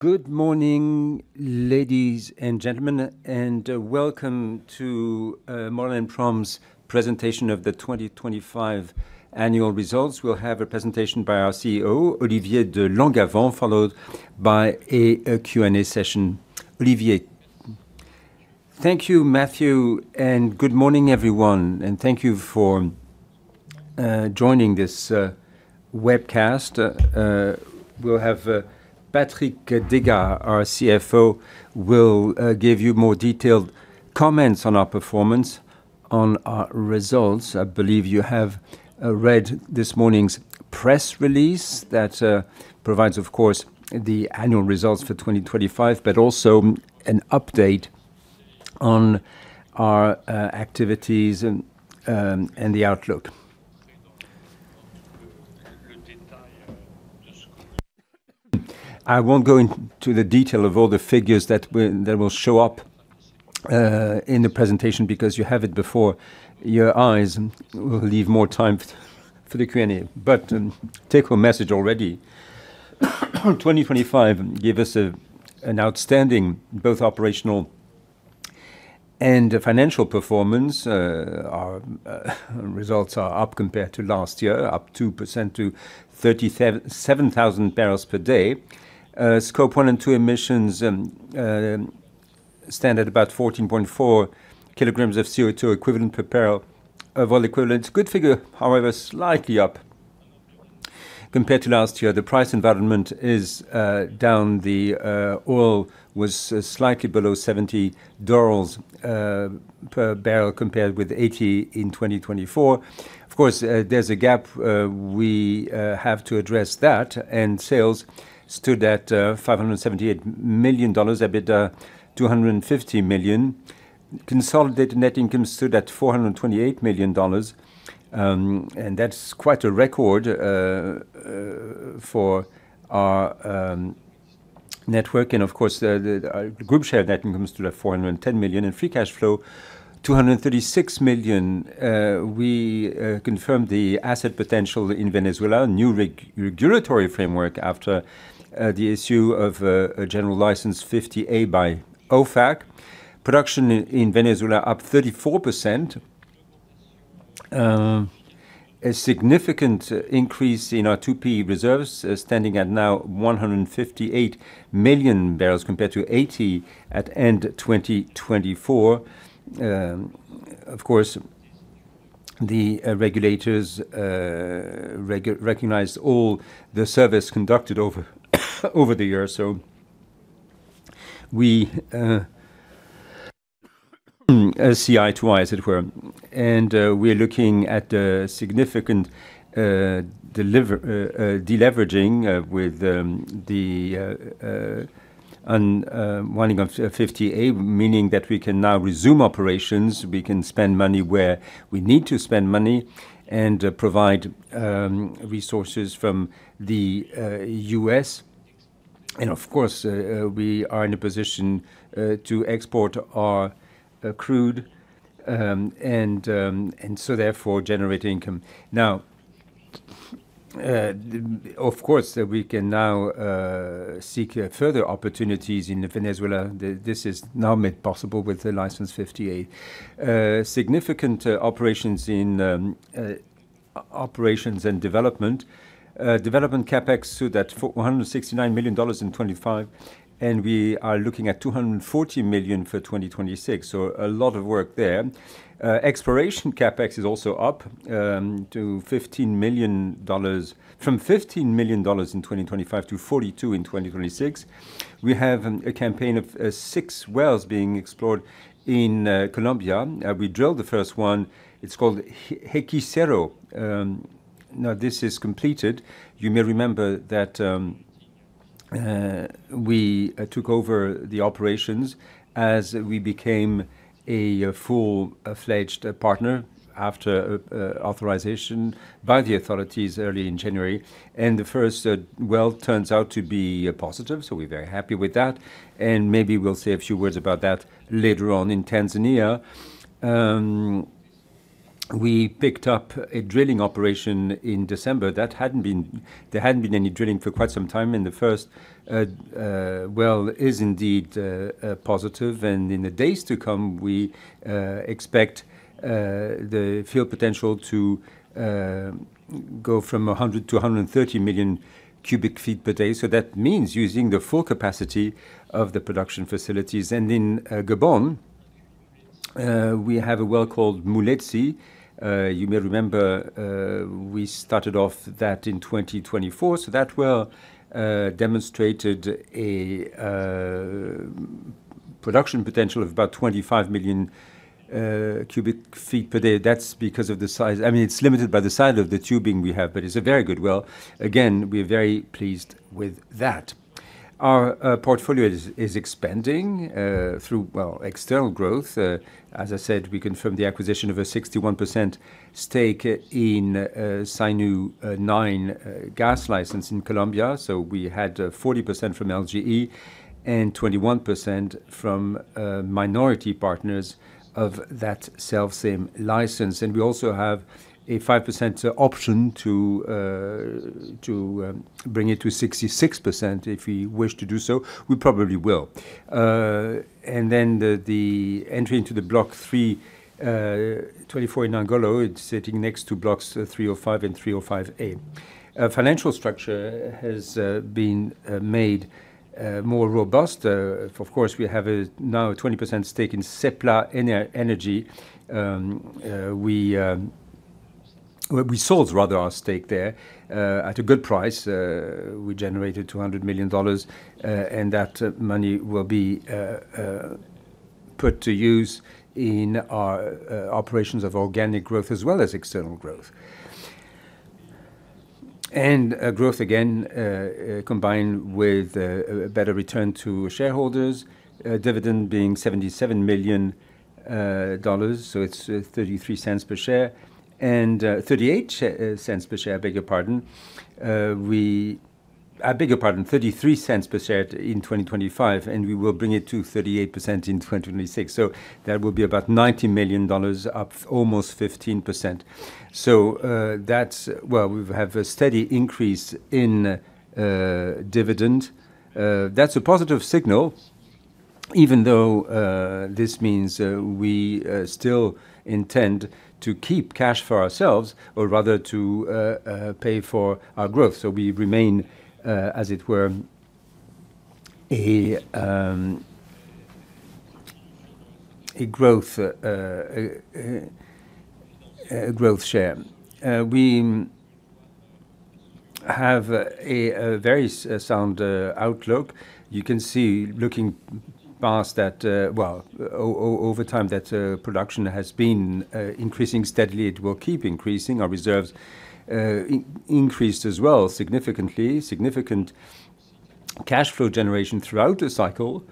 Good morning, ladies and gentlemen, and welcome to Maurel & Prom's presentation of the 2025 annual results. We'll have a presentation by our CEO, Olivier de Langavant, followed by a Q&A session. Olivier. Thank you, Matthieu, and good morning, everyone, and thank you for joining this webcast. We'll have Patrick Deygas, our CFO, will give you more detailed comments on our performance on our results. I believe you have read this morning's press release that provides, of course, the annual results for 2025, but also an update on our activities and the outlook. I won't go into the detail of all the figures that will show up in the presentation because you have it before your eyes, and we'll leave more time for the Q&A. Take home message already, 2025 gave us an outstanding both operational and financial performance. Our results are up compared to last year, up 2% to 37,000 bpd. Scope one and two emissions stand at about 14.4 kg of CO2 equivalent per barrel of oil equivalent. Good figure, however, slightly up compared to last year. The price environment is down. The oil was slightly below $70 per barrel compared with $80 in 2024. Of course, there's a gap. We have to address that. Sales stood at $578 million, EBITDA $250 million. Consolidated net income stood at $428 million, and that's quite a record for our net worth. Of course, group share net income stood at $410 million, and free cash flow $236 million. We confirmed the asset potential in Venezuela, new regulatory framework after the issue of a General License 50A by OFAC. Production in Venezuela up 34%. A significant increase in our 2P reserves, standing at now 148 MMbbl compared to 80 MMbbl at end 2024. Regulators recognized all the service conducted over the years. We CI2I, as it were. We're looking at a significant deleveraging with the unwinding of 50A, meaning that we can now resume operations. We can spend money where we need to spend money and provide resources from the U.S. Of course, we are in a position to export our crude and so therefore generate income. Now, of course, we can now seek further opportunities in Venezuela. This is now made possible with the General License 50A. Significant operations and development. Development CapEx stood at $169 million in 2025, and we are looking at $240 million for 2026, so a lot of work there. Exploration CapEx is also up to $15 million, from $15 million in 2025 to $42 million in 2026. We have a campaign of six wells being explored in Colombia. We drilled the first one. It's called Hechicero. Now this is completed. You may remember that, we took over the operations as we became a full-fledged partner after, authorization by the authorities early in January. The first well turns out to be positive, so we're very happy with that. Maybe we'll say a few words about that later on. In Tanzania, we picked up a drilling operation in December. There hadn't been any drilling for quite some time. The first well is indeed positive. In the days to come, we expect the field potential to go from 100 million cubic feet-130 million cubic feet per day. So that means using the full capacity of the production facilities. In Gabon, we have a well called Mouletsi. You may remember, we started off that in 2024. That well demonstrated a production potential of about 25 million cubic feet per day. That's because of the size. I mean, it's limited by the size of the tubing we have, but it's a very good well. Again, we're very pleased with that. Our portfolio is expanding through, well, external growth. As I said, we confirmed the acquisition of a 61% stake in Sinu-9 gas license in Colombia. We had 40% from NGE and 21% from minority partners of that same license. We also have a 5% option to bring it to 66% if we wish to do so. We probably will. The entry into the Block 3/24 in Angola, it's sitting next to Blocks 3/05 and 3/05A. Our financial structure has been made more robust. Of course, we had a 20% stake in Seplat Energy. We sold our stake there at a good price. We generated $200 million, and that money will be put to use in our operations of organic growth as well as external growth. Growth again combined with better return to shareholders, dividend being $77 million, so it's $0.33 per share, and $0.38 per share, I beg your pardon. We- I beg your pardon, 0.33 per share in 2025, and we will bring it to 0.38 In 2026. That will be about $90 million, up almost 15%. That's where we have a steady increase in dividend. That's a positive signal, even though this means we still intend to keep cash for ourselves or rather to pay for our growth. We remain, as it were, a growth share. We have a very sound outlook. You can see looking past that, well, over time, that production has been increasing steadily. It will keep increasing. Our reserves increased as well, significantly. Significant cash flow generation throughout the cycle.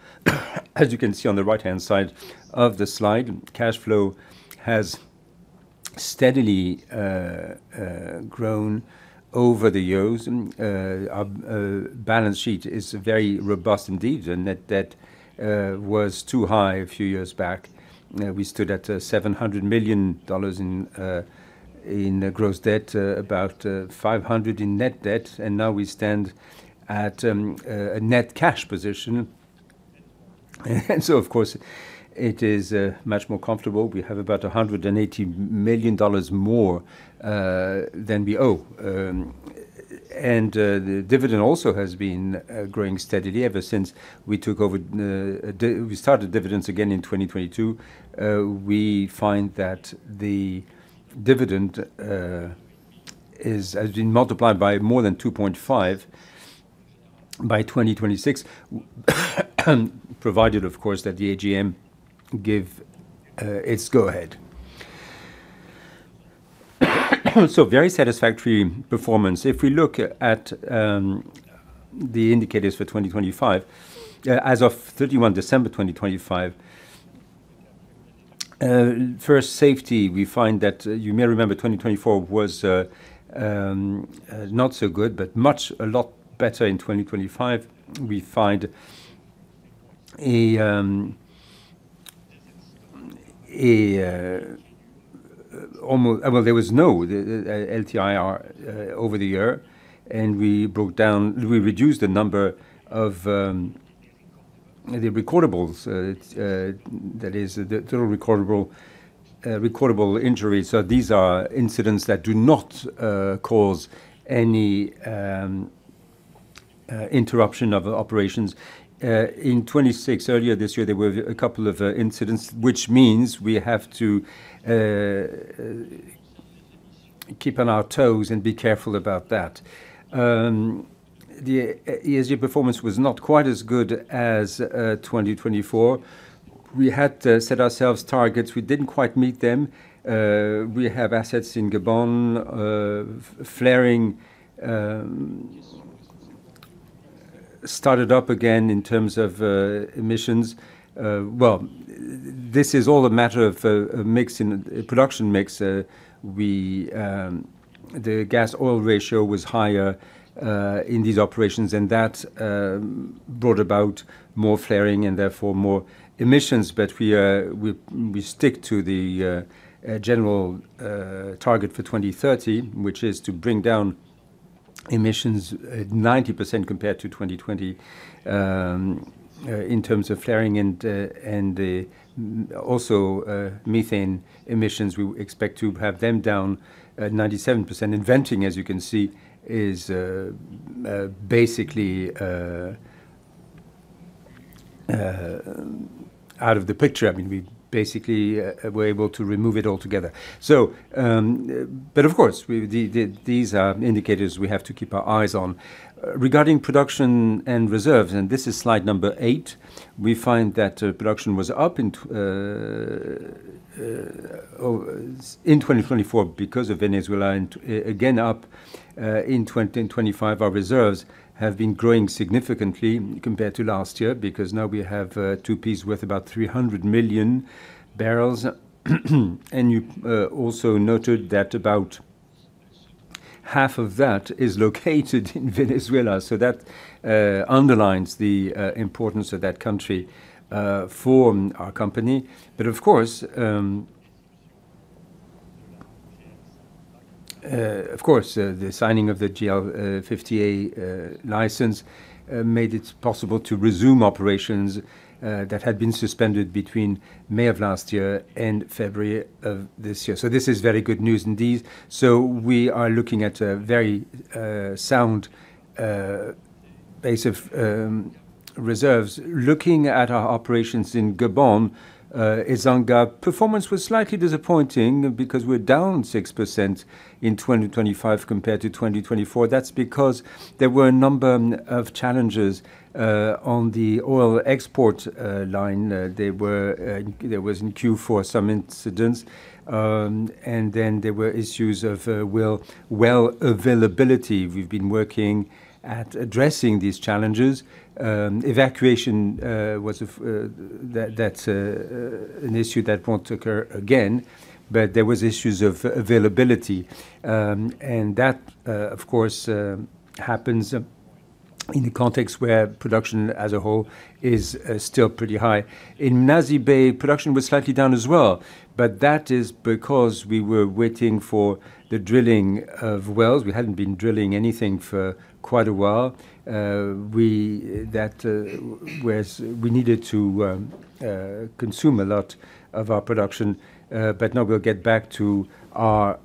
As you can see on the right-hand side of the slide, cash flow has steadily grown over the years, and our balance sheet is very robust indeed. The net debt was too high a few years back. We stood at $700 million in gross debt, about $500 million in net debt, and now we stand at a net cash position. Of course, it is much more comfortable. We have about $180 million more than we owe. The dividend also has been growing steadily ever since we took over. We started dividends again in 2022. We find that the dividend has been multiplied by more than 2.5 by 2026 provided, of course, that the AGM gives its go-ahead. Very satisfactory performance. If we look at the indicators for 2025, as of 31 December 2025, first safety, we find that you may remember 2024 was not so good, but much a lot better in 2025. We find well, there was no LTIR over the year, and we reduced the number of the recordables. It is that the total recordable injuries. These are incidents that do not cause any interruption of operations. In 2026 earlier this year, there were a couple of incidents, which means we have to keep on our toes and be careful about that. The ESG performance was not quite as good as 2024. We had set ourselves targets. We didn't quite meet them. We have assets in Gabon. Flaring started up again in terms of emissions. Well, this is all a matter of a mix in a production mix. The gas-oil ratio was higher in these operations, and that brought about more flaring and therefore more emissions. We stick to the general target for 2030, which is to bring down emissions 90% compared to 2020 in terms of flaring and also methane emissions. We expect to have them down 97%. Venting, as you can see, is basically out of the picture. I mean, we basically were able to remove it altogether. Of course, these are indicators we have to keep our eyes on. Regarding production and reserves, this is slide number eight, we find that production was up in 2024 because of Venezuela and again up in 2025. Our reserves have been growing significantly compared to last year because now we have 2P reserves worth about 300 MMbbl. You also noted that about half of that is located in Venezuela. That underlines the importance of that country for our company. Of course, the signing of the GL 50A license made it possible to resume operations that had been suspended between May of last year and February of this year. This is very good news indeed. We are looking at a very sound base of reserves. Looking at our operations in Gabon, Ezanga performance was slightly disappointing because we're down 6% in 2025 compared to 2024. That's because there were a number of challenges on the oil export line. There were in Q4 some incidents, and then there were issues of well availability. We've been working at addressing these challenges. Evacuation was an issue that won't occur again, but there was issues of availability. That, of course, happens in the context where production as a whole is still pretty high. In Mnazi Bay, production was slightly down as well, but that is because we were waiting for the drilling of wells. We hadn't been drilling anything for quite a while. That, whereas we needed to consume a lot of our production. Now we'll get back to our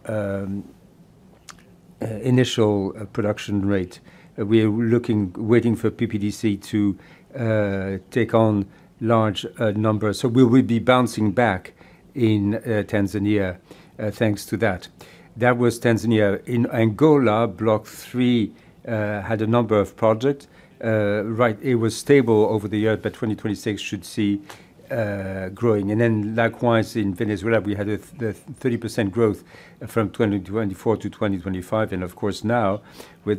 initial production rate. We are looking, waiting for TPDC to take on large numbers. We will be bouncing back in Tanzania thanks to that. That was Tanzania. In Angola, Block 3/24 had a number of projects. Right, it was stable over the year, but 2026 should see growing. Likewise in Venezuela, we had the 30% growth from 2024 to 2025. Of course now, we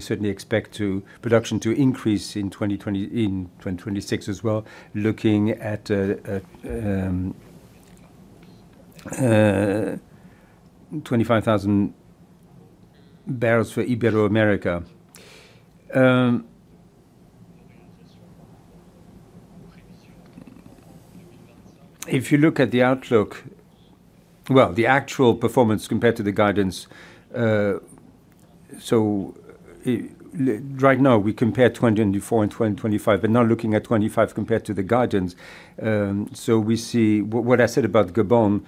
certainly expect production to increase in 2026 as well, looking at 25,000 bbl for M&P Iberoamerica. If you look at the outlook, the actual performance compared to the guidance, right now we compare 2024 and 2025, but now looking at 2025 compared to the guidance, so we see what I said about Gabon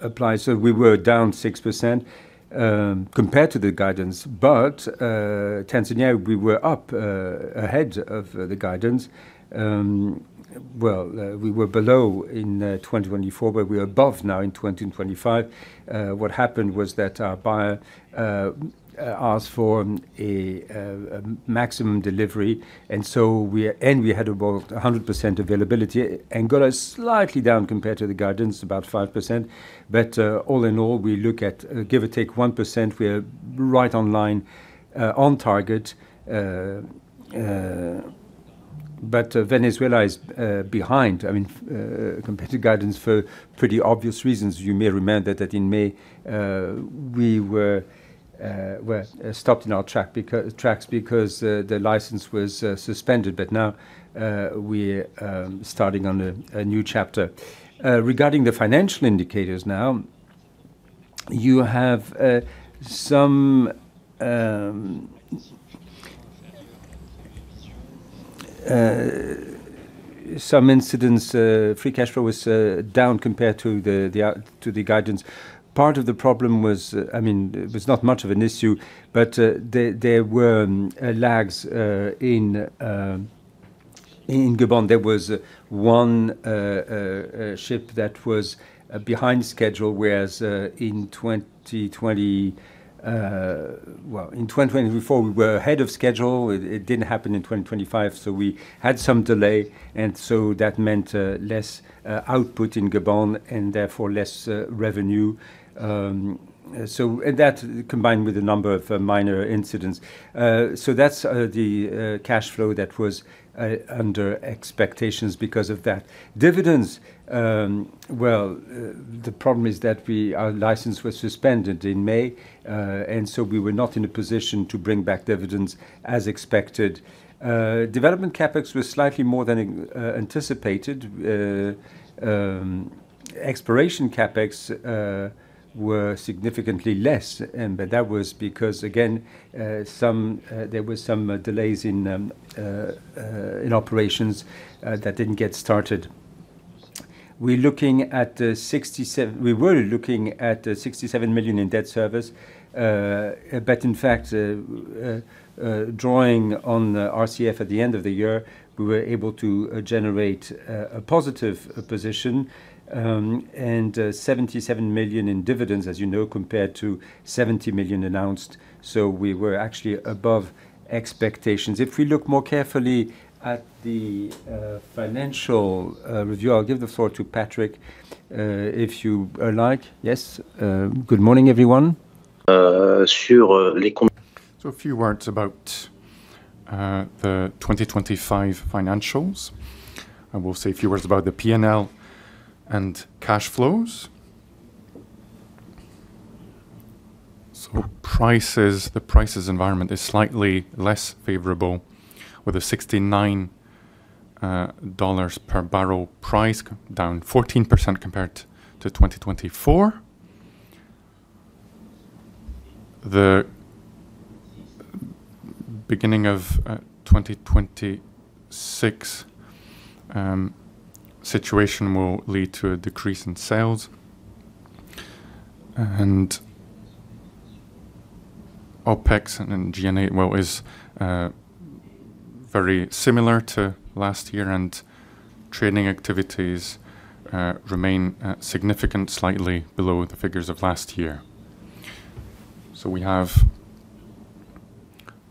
applies. We were down 6% compared to the guidance. Tanzania, we were up ahead of the guidance. We were below in 2024, but we are above now in 2025. What happened was that our buyer asked for a maximum delivery, and we had about 100% availability. Angola is slightly down compared to the guidance, about 5%. All in all, we look at, give or take 1%, we are right online on target. Venezuela is behind. I mean, compared to guidance for pretty obvious reasons. You may remember that in May, we were stopped in our tracks because the license was suspended. Now we're starting on a new chapter. Regarding the financial indicators now, you have some incidents. Free cash flow was down compared to the guidance. Part of the problem was, I mean, it was not much of an issue, but there were lags in Gabon. There was one a ship that was behind schedule, whereas in 2020, well, in 2024, we were ahead of schedule. It didn't happen in 2025, so we had some delay, and so that meant less output in Gabon and therefore less revenue. So and that combined with a number of minor incidents. So that's the cash flow that was under expectations because of that. Dividends, well, the problem is that our license was suspended in May, and so we were not in a position to bring back dividends as expected. Development CapEx was slightly more than anticipated. Exploration CapEx were significantly less, but that was because again, some there were some delays in operations that didn't get started. We were looking at $67 million in debt service. But in fact, drawing on the RCF at the end of the year, we were able to generate a positive position, and $77 million in dividends, as you know, compared to $70 million announced. We were actually above expectations. If we look more carefully at the financial review, I'll give the floor to Patrick, if you like. Yes. Good morning, everyone. A few words about the 2025 financials. I will say a few words about the P&L and cash flows. The price environment is slightly less favorable with a $69 per barrel price down 14% compared to 2024. The beginning of 2026 situation will lead to a decrease in sales. OpEx and G&A, well, is very similar to last year, and training activities remain significant, slightly below the figures of last year. We have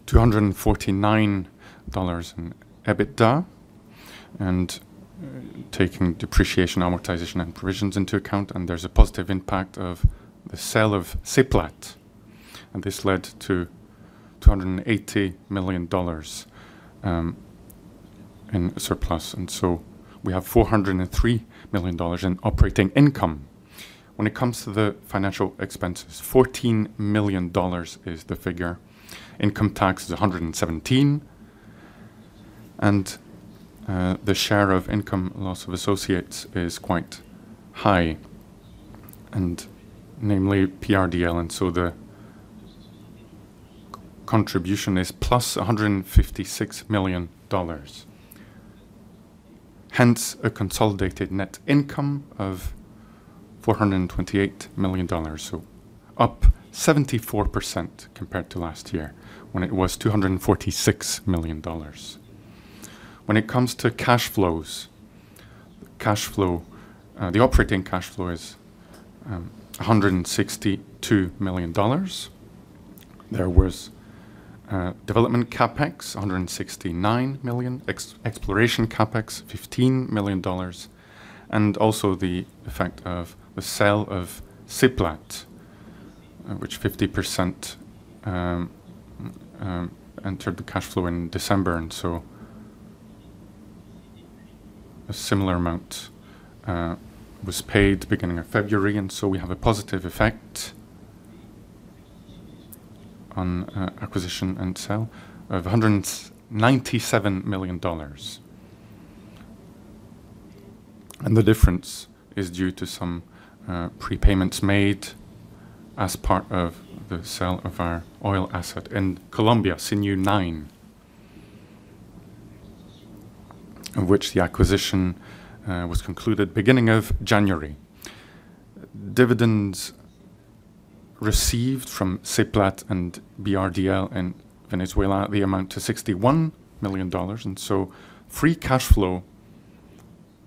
$249 million in EBITDA, and taking depreciation, amortization, and provisions into account, and there's a positive impact of the sale of Seplat, and this led to $280 million in surplus. We have $403 million in operating income. When it comes to the financial expenses, $14 million is the figure. Income tax is $117 million. The share of income loss of associates is quite high, and namely PRDL. The contribution is +$156 million. Hence, a consolidated net income of $428 million, up 74% compared to last year when it was $246 million. When it comes to cash flows, the operating cash flow is $162 million. There was development CapEx, $169 million. Exploration CapEx, $15 million. Also the effect of the sale of Seplat, which 50% entered the cash flow in December. A similar amount was paid beginning of February, and we have a positive effect on acquisition and sale of $197 million. The difference is due to some prepayments made as part of the sale of our oil asset in Colombia, Sinu-9, of which the acquisition was concluded beginning of January. Dividends received from Seplat and PRDL in Venezuela, they amount to $61 million, free cash flow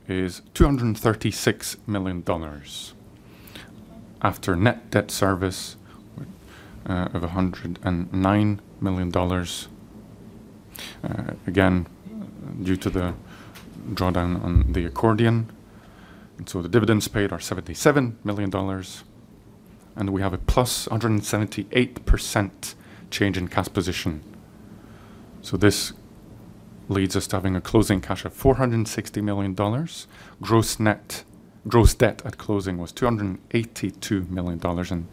is $236 million. After net debt service of $109 million, again, due to the drawdown on the accordion. The dividends paid are $77 million, and we have a +178% change in cash position. This leads us to having a closing cash of $460 million. Gross debt at closing was $282 million, and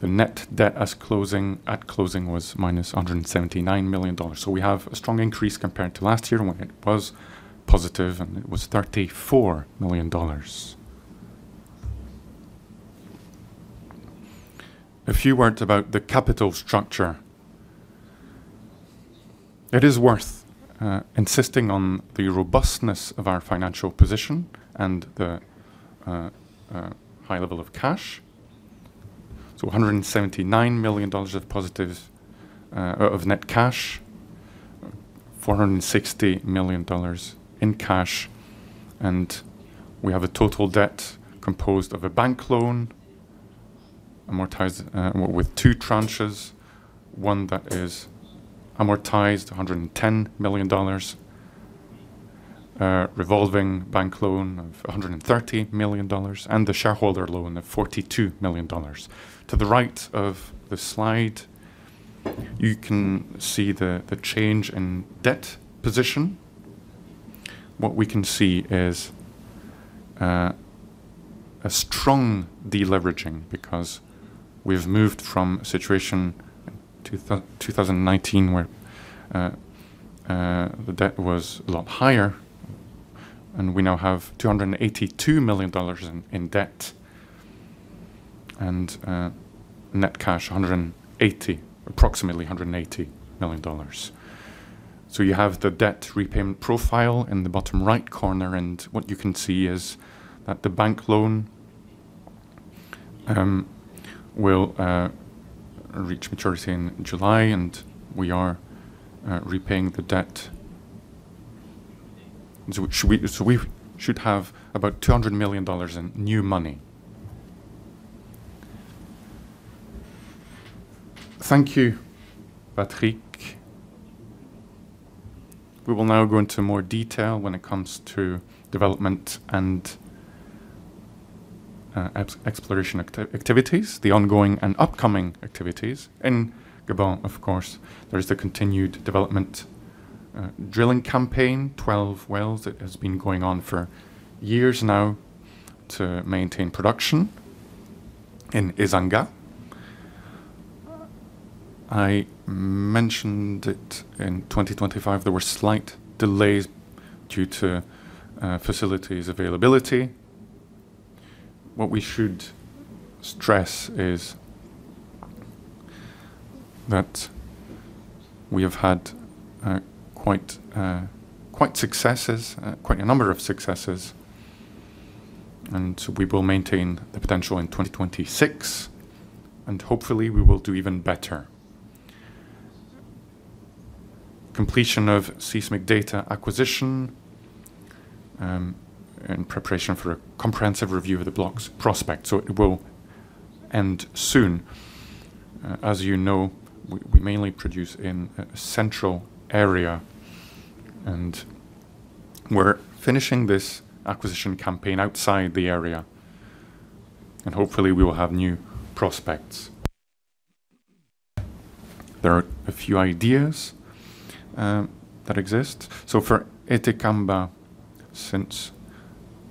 the net debt at closing was -$179 million. We have a strong increase compared to last year when it was positive, and it was $34 million. A few words about the capital structure. It is worth insisting on the robustness of our financial position and the high level of cash. $179 million of positive net cash, $460 million in cash, and we have a total debt composed of a bank loan amortized with two tranches, one that is amortized $110 million, a revolving bank loan of $130 million, and the shareholder loan of $42 million. To the right of the slide, you can see the change in debt position. What we can see is a strong deleveraging because we've moved from a situation in 2019 where the debt was a lot higher, and we now have $282 million in debt and net cash $180 million, approximately $180 million. You have the debt repayment profile in the bottom right corner, and what you can see is that the bank loan will reach maturity in July, and we are repaying the debt. We should have about $200 million in new money. Thank you, Patrick. We will now go into more detail when it comes to development and exploration activities, the ongoing and upcoming activities. In Gabon, of course, there is the continued development drilling campaign, 12 wells. It has been going on for years now to maintain production in Ezanga. I mentioned it in 2025, there were slight delays due to facilities availability. What we should stress is that we have had quite a number of successes, and we will maintain the potential in 2026, and hopefully we will do even better. Completion of seismic data acquisition in preparation for a comprehensive review of the block's prospects. It will end soon. As you know, we mainly produce in a central area, and we're finishing this acquisition campaign outside the area, and hopefully we will have new prospects. There are a few ideas that exist. For Etekamba, since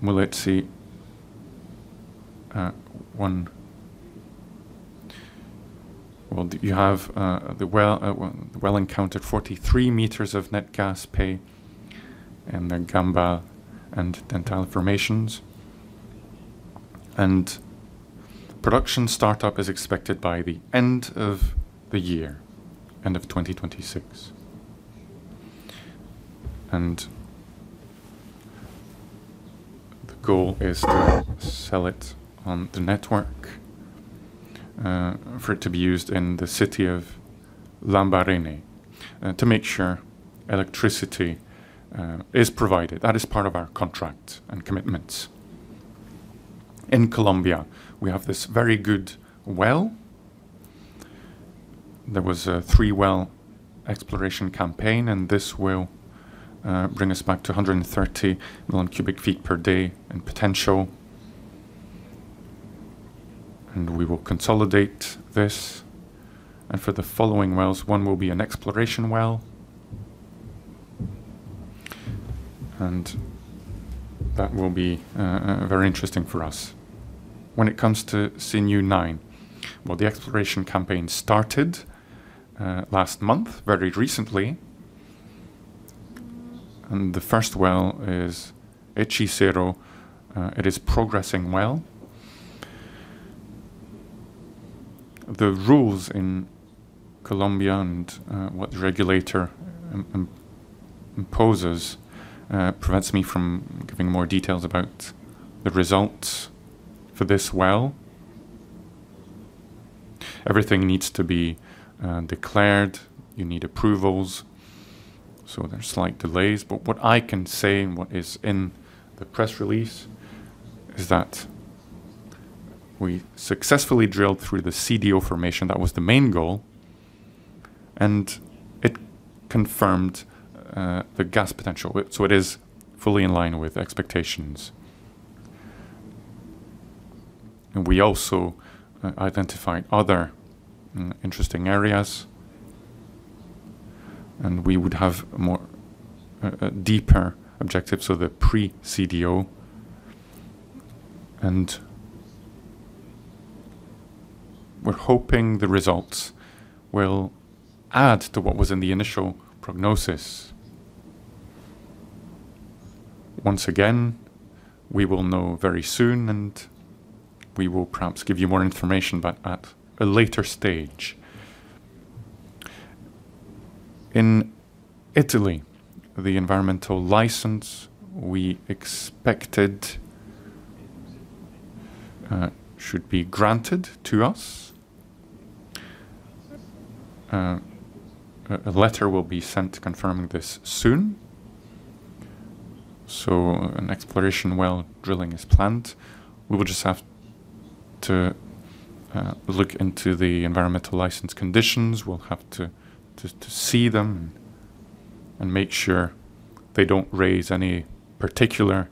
Mouletsi, well, you have the well encountered 43 meters of net gas pay in the Gamba and Dentale formations. Production startup is expected by the end of the year, end of 2026. The goal is to sell it on the network, for it to be used in the city of Lambaréné, to make sure electricity is provided. That is part of our contract and commitments. In Colombia, we have this very good well. There was a three-well exploration campaign, and this will bring us back to 130 million cubic feet per day in potential. We will consolidate this. For the following wells, one will be an exploration well. That will be very interesting for us. When it comes to Sinú-9, well, the exploration campaign started last month, very recently. The first well is Hechicero. It is progressing well. The rules in Colombia and what the regulator imposes prevents me from giving more details about the results for this well. Everything needs to be declared. You need approvals, so there are slight delays. What I can say and what is in the press release is that we successfully drilled through the CDO formation. That was the main goal, and it confirmed the gas potential. It is fully in line with expectations. We also identified other interesting areas. We would have more deeper objectives of the pre-CDO. We're hoping the results will add to what was in the initial prognosis. Once again, we will know very soon, and we will perhaps give you more information but at a later stage. In Italy, the environmental license we expected should be granted to us. A letter will be sent confirming this soon. An exploration well drilling is planned. We will just have to look into the environmental license conditions. We'll have to see them and make sure they don't raise any particular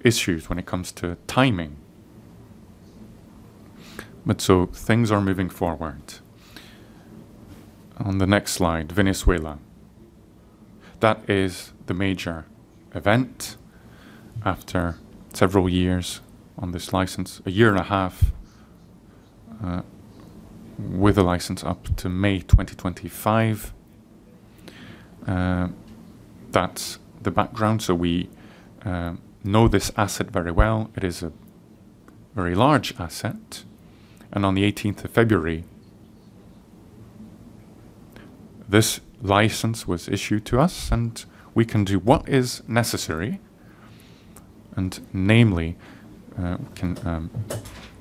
issues when it comes to timing. Things are moving forward. On the next slide, Venezuela. That is the major event after several years on this license, 1.5 year, with a license up to May 2025. That's the background. We know this asset very well. It is a very large asset. On the 18th of February, this license was issued to us, and we can do what is necessary, and namely,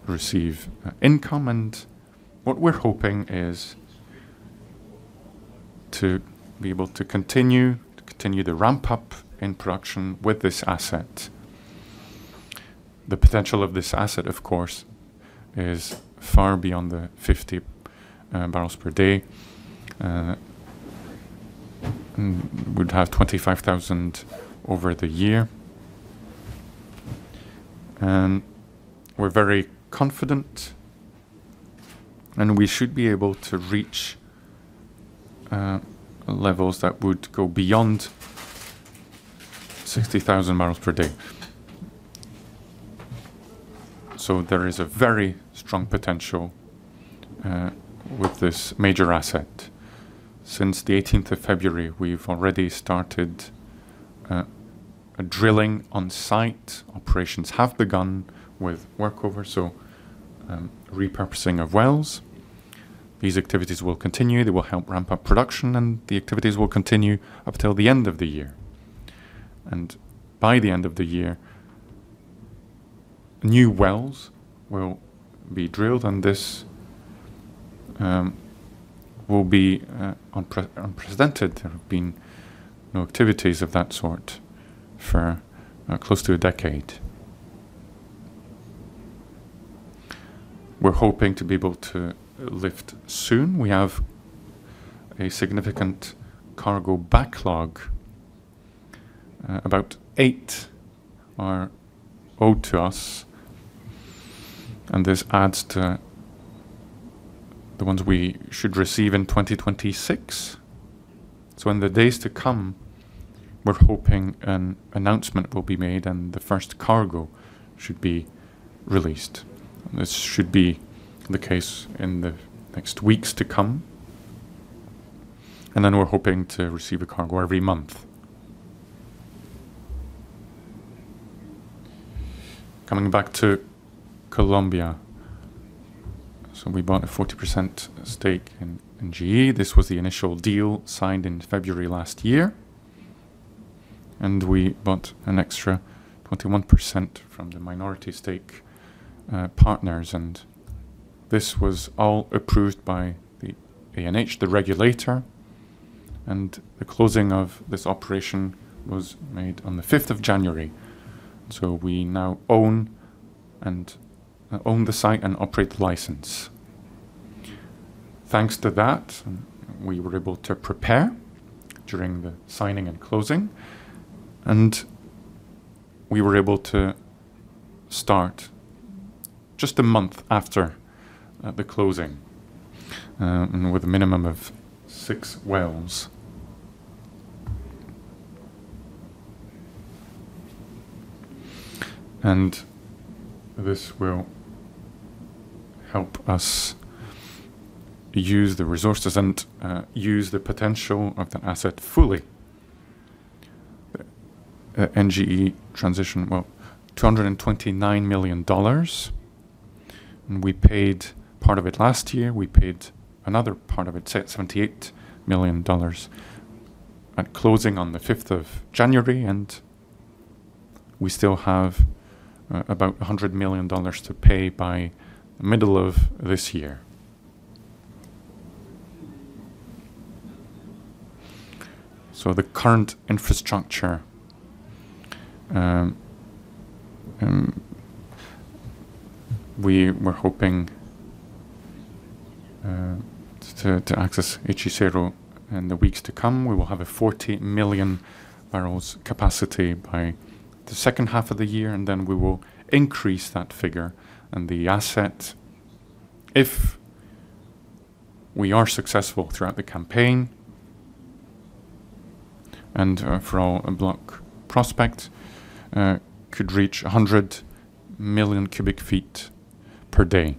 receive income. What we're hoping is to be able to continue the ramp-up in production with this asset. The potential of this asset, of course, is far beyond the 50 bpd. We'd have 25,000 over the year. We're very confident, and we should be able to reach levels that would go beyond 60,000 bpd. There is a very strong potential with this major asset. Since the 18th of February, we've already started drilling on site. Operations have begun with workover, so repurposing of wells. These activities will continue. They will help ramp up production, and the activities will continue up till the end of the year. By the end of the year, new wells will be drilled, and this will be unprecedented. There have been no activities of that sort for close to a decade. We're hoping to be able to lift soon. We have a significant cargo backlog. About are owed to us, and this adds to the ones we should receive in 2026. In the days to come, we're hoping an announcement will be made, and the first cargo should be released. This should be the case in the next weeks to come. We're hoping to receive a cargo every month. Coming back to Colombia. We bought a 40% stake in NGE. This was the initial deal signed in February last year, and we bought an extra 21% from the minority stake partners. This was all approved by the ANH, the regulator, and the closing of this operation was made on the 5th of January. We now own the Sinu-9 and operate the license. Thanks to that, we were able to prepare during the signing and closing, and we were able to start just a month after the closing with a minimum of six wells. This will help us use the resources and use the potential of the asset fully. NGE transaction, well, $229 million, and we paid part of it last year. We paid another part of it, $78 million at closing on the 5th of January, and we still have about $100 million to pay by middle of this year. The current infrastructure. We were hoping to access Hechicero in the weeks to come. We will have a 40 MMbbl capacity by the second half of the year, and then we will increase that figure and the asset if we are successful throughout the campaign and for our block prospect could reach 100 million cubic feet per day.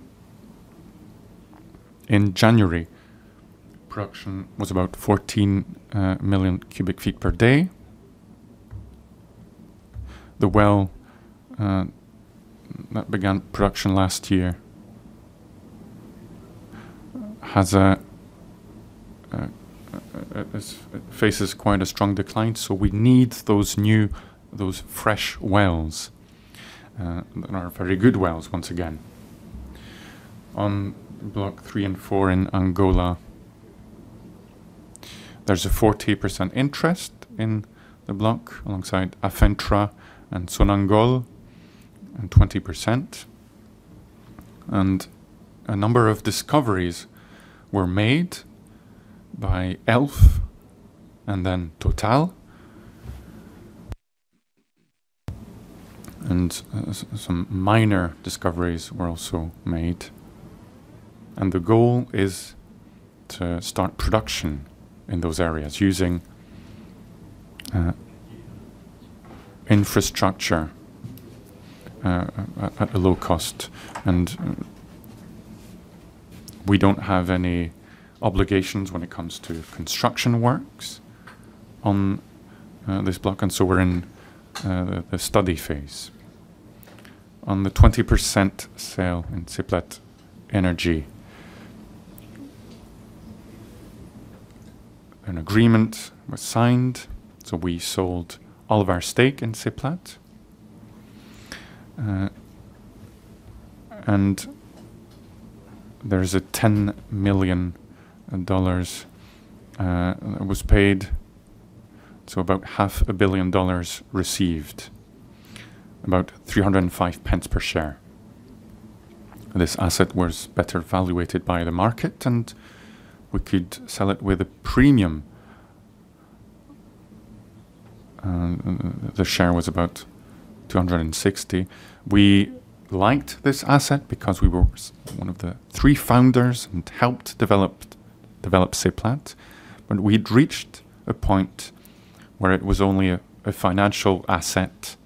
In January, production was about 14 million cubic feet per day. The well that began production last year has, it faces quite a strong decline, so we need those new, those fresh wells that are very good wells once again. On Block 3/24 in Angola, there's a 40% interest in the block alongside Afentra and Sonangol and 20%. A number of discoveries were made by Elf and then Total. Some minor discoveries were also made. The goal is to start production in those areas using infrastructure at a low cost. We don't have any obligations when it comes to construction works on this block, so we're in the study phase. On the 20% sale in Seplat Energy, an agreement was signed, so we sold all of our stake in Seplat. And $10 million was paid, so about $500 million received, about 3.05 per share. This asset was better valuated by the market, and we could sell it with a premium. The share was about 2.60. We liked this asset because we were one of the three founders and helped develop Seplat. We'd reached a point where it was only a financial asset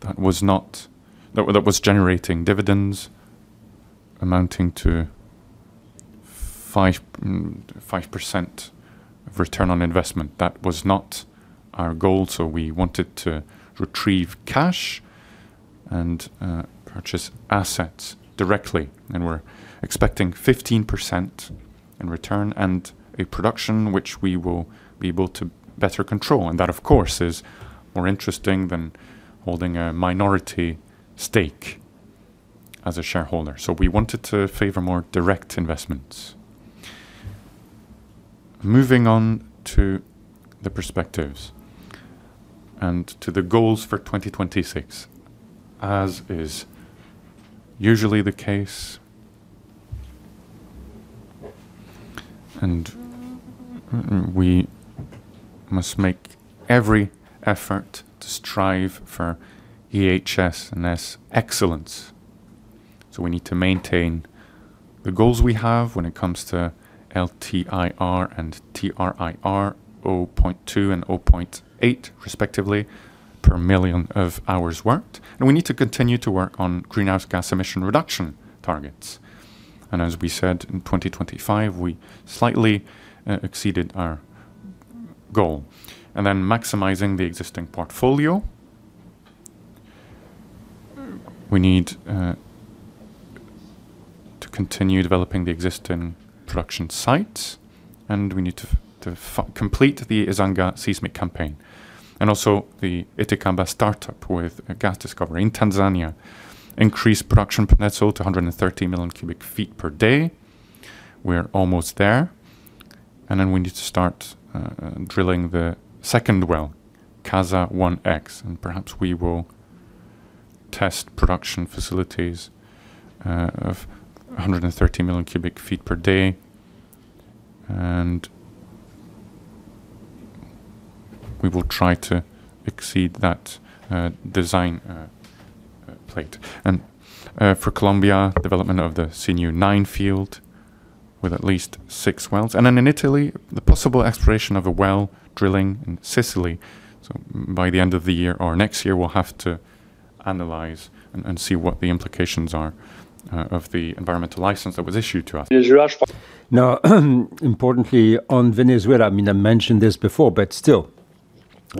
that was not- that was generating dividends amounting to 5% of return on investment. That was not our goal, so we wanted to retrieve cash and purchase assets directly. We're expecting 15% in return and a production which we will be able to better control. That, of course, is more interesting than holding a minority stake as a shareholder. We wanted to favor more direct investments. Moving on to the perspectives and to the goals for 2026. As is usually the case, we must make every effort to strive for EHS&S excellence. We need to maintain the goals we have when it comes to LTIR and TRIR, 0.2 and 0.8 respectively per million of hours worked. We need to continue to work on greenhouse gas emission reduction targets. As we said, in 2025, we slightly exceeded our goal. Maximizing the existing portfolio. We need to continue developing the existing production sites, and we need to complete the Ezanga seismic campaign. The Etekamba startup with a gas discovery in Tanzania. Increase production from Mnazi Bay to 130 million cubic feet per day. We're almost there. We need to start drilling the second well, Kasa-1X, and perhaps we will test production facilities of 130 million cubic feet per day. We will try to exceed that nameplate. For Colombia, development of the Sinu-9 field with at least six wells. In Italy, the possible exploration of a well drilling in Sicily. By the end of the year or next year, we'll have to analyze and see what the implications are of the environmental license that was issued to us. Now importantly, on Venezuela, I mean, I mentioned this before, but still,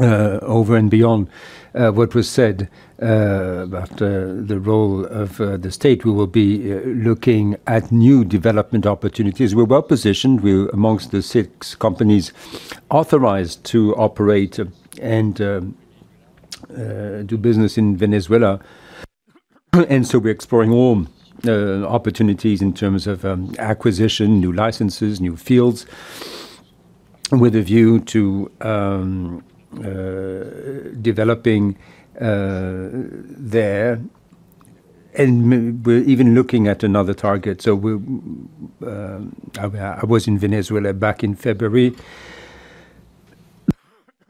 over and beyond what was said about the role of the state, we will be looking at new development opportunities. We're well-positioned. We're among the six companies authorized to operate and do business in Venezuela. We're exploring all opportunities in terms of acquisition, new licenses, new fields with a view to developing there. We're even looking at another target. I was in Venezuela back in February.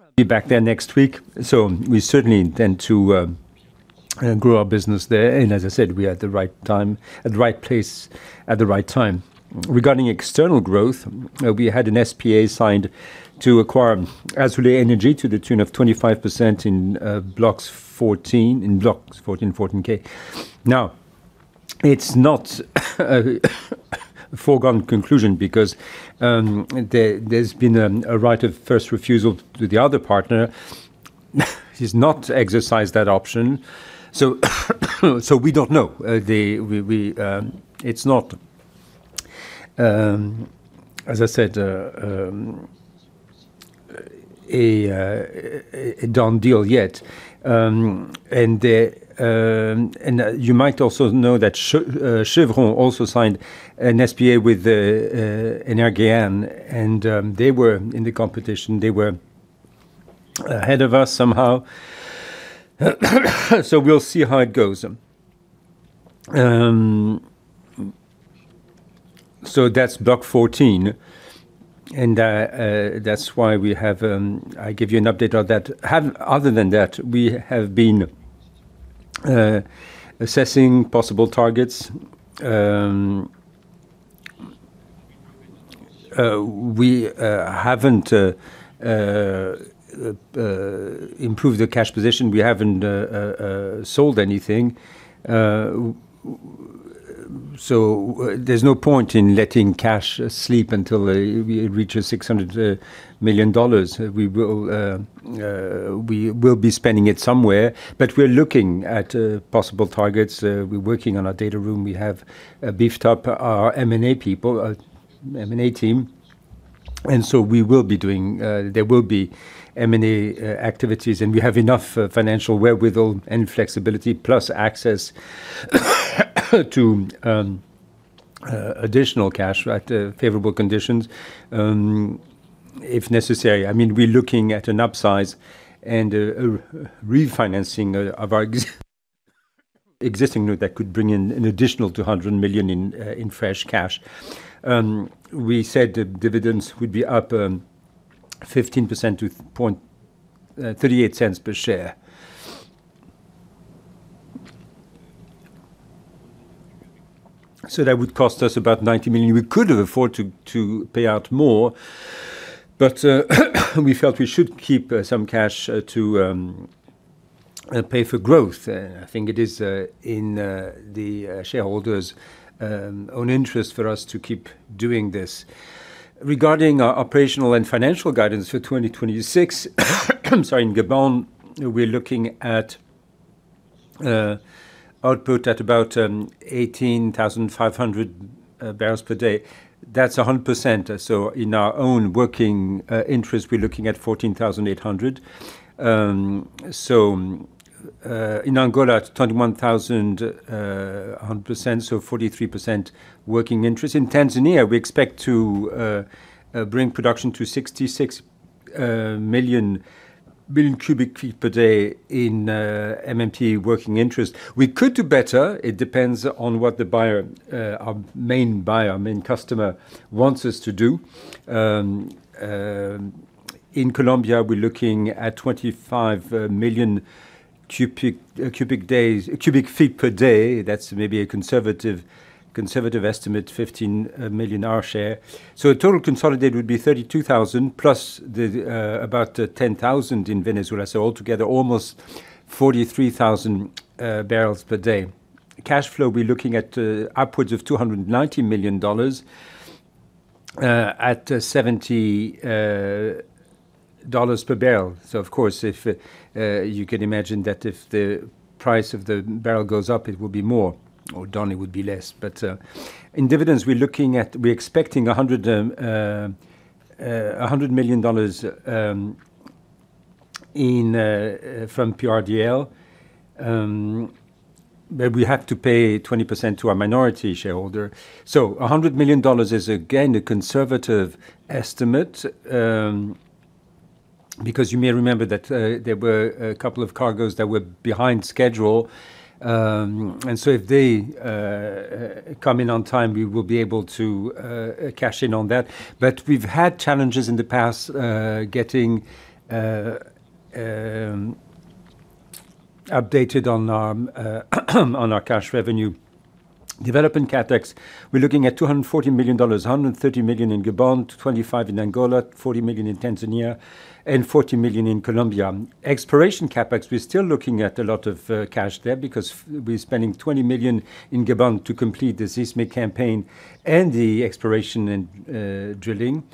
I'll be back there next week. We certainly intend to grow our business there. As I said, we're at the right time, at the right place at the right time. Regarding external growth, we had an SPA signed to acquire Azule Energy to the tune of 25% in Blocks 14 and 14K. Now, it's not a foregone conclusion because there's been a right of first refusal to the other partner. He's not exercised that option. We don't know. It's not, as I said, a done deal yet. You might also know that Chevron also signed an SPA with Energean, and they were in the competition. They were ahead of us somehow. We'll see how it goes. That's Block 14, and that's why we have. I give you an update on that. Other than that, we have been assessing possible targets. We haven't improved the cash position. We haven't sold anything. There's no point in letting cash sleep until it reaches $600 million. We will be spending it somewhere. We're looking at possible targets. We're working on our data room. We have beefed up our M&A team. There will be M&A activities. We have enough financial wherewithal and flexibility plus access to additional cash at favorable conditions, if necessary. I mean, we're looking at an upsize and a refinancing of our existing note that could bring in an additional $200 million in fresh cash. We said the dividends would be up 15% to 0.38 per share. That would cost us about $90 million. We could afford to pay out more, but we felt we should keep some cash to pay for growth. I think it is in the shareholders' own interest for us to keep doing this. Regarding our operational and financial guidance for 2026, sorry. In Gabon, we're looking at output at about 18,500 bpd. That's 100%. In our own working interest, we're looking at 14,800 bpd. In Angola, it's 21,000 bpd 100%, so 43% working interest. In Tanzania, we expect to bring production to 66 million cubic feet per day in M&P working interest. We could do better. It depends on what the buyer, our main buyer, our main customer wants us to do. In Colombia, we're looking at 25 million cubic feet per day. That's maybe a conservative estimate, 15 million our share. Total consolidated would be 32,000+ about 10,000 in Venezuela. Altogether, almost 43,000 bpd. Cash flow, we're looking at upwards of $290 million at $70 per barrel. Of course, if you can imagine that if the price of the barrel goes up, it will be more, or down, it would be less. In dividends, we're expecting $100 million from PRDL, but we have to pay 20% to our minority shareholder. $100 million is again a conservative estimate, because you may remember that there were a couple of cargoes that were behind schedule, and if they come in on time, we will be able to cash in on that. We've had challenges in the past getting updated on our cash revenue. Development CapEx, we're looking at $240 million, $130 million in Gabon, $25 million in Angola, $40 million in Tanzania, and $40 million in Colombia. Exploration CapEx, we're still looking at a lot of cash there because we're spending $20 million in Gabon to complete the seismic campaign and the exploration and drilling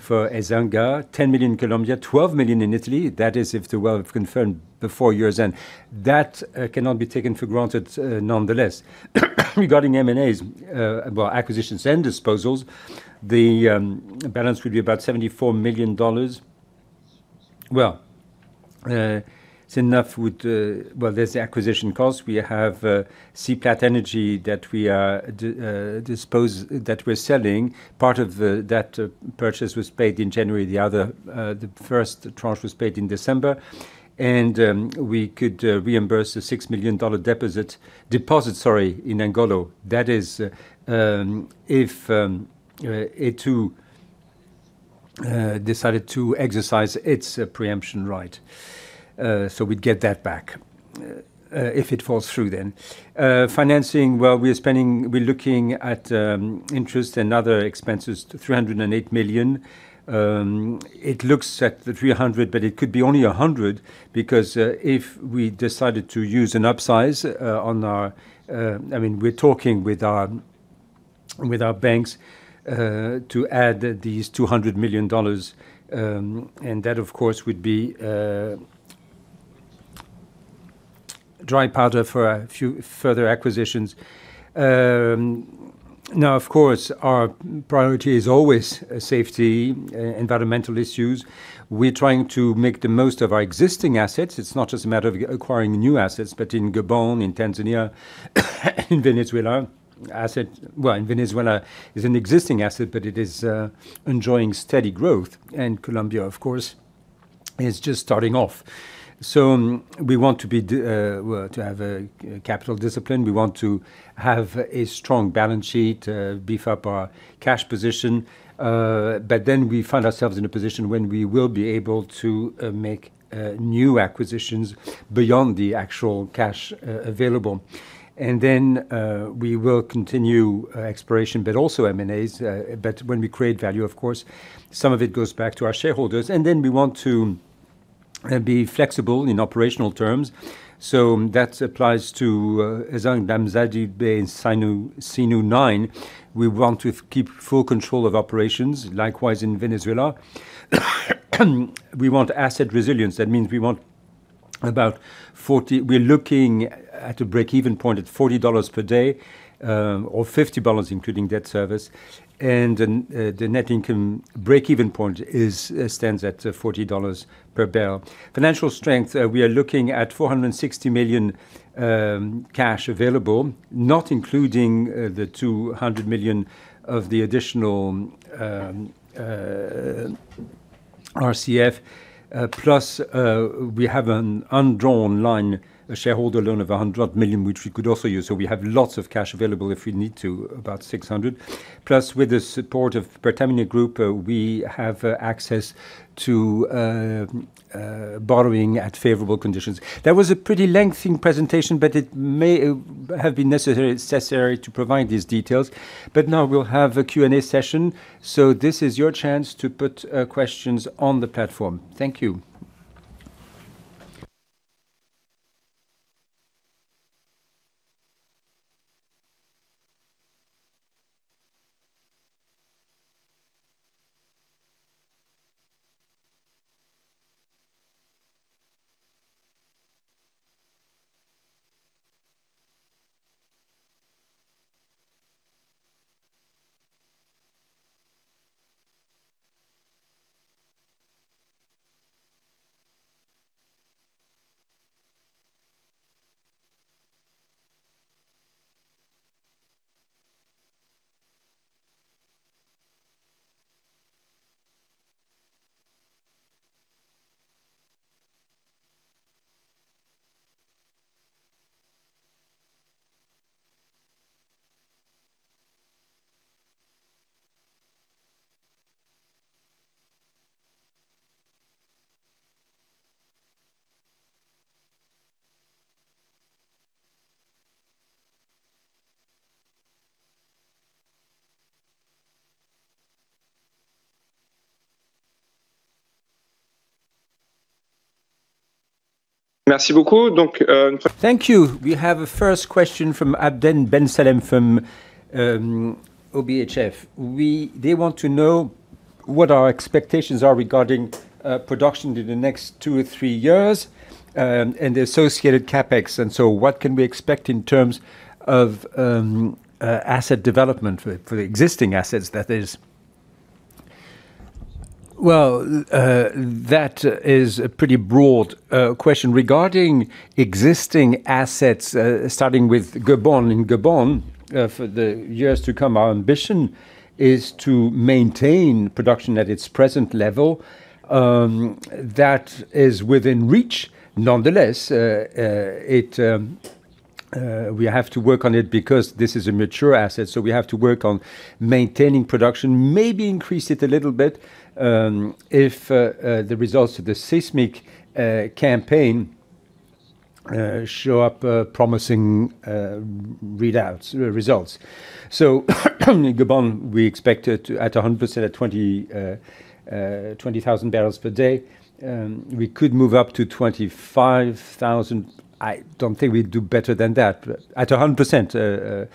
for Ezanga, $10 million in Colombia, $12 million in Italy. That is if the well confirmed before year's end. That cannot be taken for granted, nonetheless. Regarding M&As, well, acquisitions and disposals, the balance will be about $74 million. Well, there's the acquisition cost. We have Seplat Energy that we're selling. Part of that purchase was paid in January. The other, the first tranche was paid in December. We could reimburse the $6 million deposit, sorry, in Angola. That is, if Etu decided to exercise its preemption right. We'd get that back if it falls through then. Financing. We're looking at interest and other expenses, $308 million. It looks at the $300 million, but it could be only $100 million because if we decided to use an accordion on our. I mean, we're talking with our banks to add these $200 million. That, of course, would be dry powder for a few further acquisitions. Now, of course, our priority is always safety, environmental issues. We're trying to make the most of our existing assets. It's not just a matter of acquiring new assets, but in Gabon, in Tanzania, in Venezuela, assets. Well, in Venezuela is an existing asset, but it is enjoying steady growth. Colombia, of course, is just starting off. We want to have capital discipline. We want to have a strong balance sheet, beef up our cash position, but then we find ourselves in a position when we will be able to make new acquisitions beyond the actual cash available. We will continue exploration, but also M&As. When we create value, of course, some of it goes back to our shareholders. We want to be flexible in operational terms. That applies to Ezanga, Mnazi Bay, and Sinu-9. We want to keep full control of operations, likewise in Venezuela. We want asset resilience. That means we want about $40. We are looking at a break-even point at $40 per day, or $50 including debt service. The net income break-even point stands at $40 per barrel. Financial strength, we are looking at $460 million cash available, not including the $200 million of the additional RCF, plus we have an undrawn line, a shareholder loan of $100 million, which we could also use. We have lots of cash available if we need to, about $600 million. With the support of Pertamina Group, we have access to borrowing at favorable conditions. That was a pretty lengthy presentation, but it may have been necessary to provide these details. Now we'll have a Q&A session. This is your chance to put questions on the platform. Thank you. Merci beaucoup. Thank you. We have a first question from Ahmed Ben Salem from ODDO BHF. They want to know what our expectations are regarding production in the next two or three years and the associated CapEx. What can we expect in terms of asset development for the existing assets? Well, that is a pretty broad question. Regarding existing assets, starting with Gabon. In Gabon, for the years to come, our ambition is to maintain production at its present level. That is within reach. Nonetheless, we have to work on it because this is a mature asset, so we have to work on maintaining production, maybe increase it a little bit, if the results of the seismic campaign show up promising results. In Gabon, we expect it to at 100% at 20,000 bpd. We could move up to 25,000 bpd. I don't think we'd do better than that, but at 100%.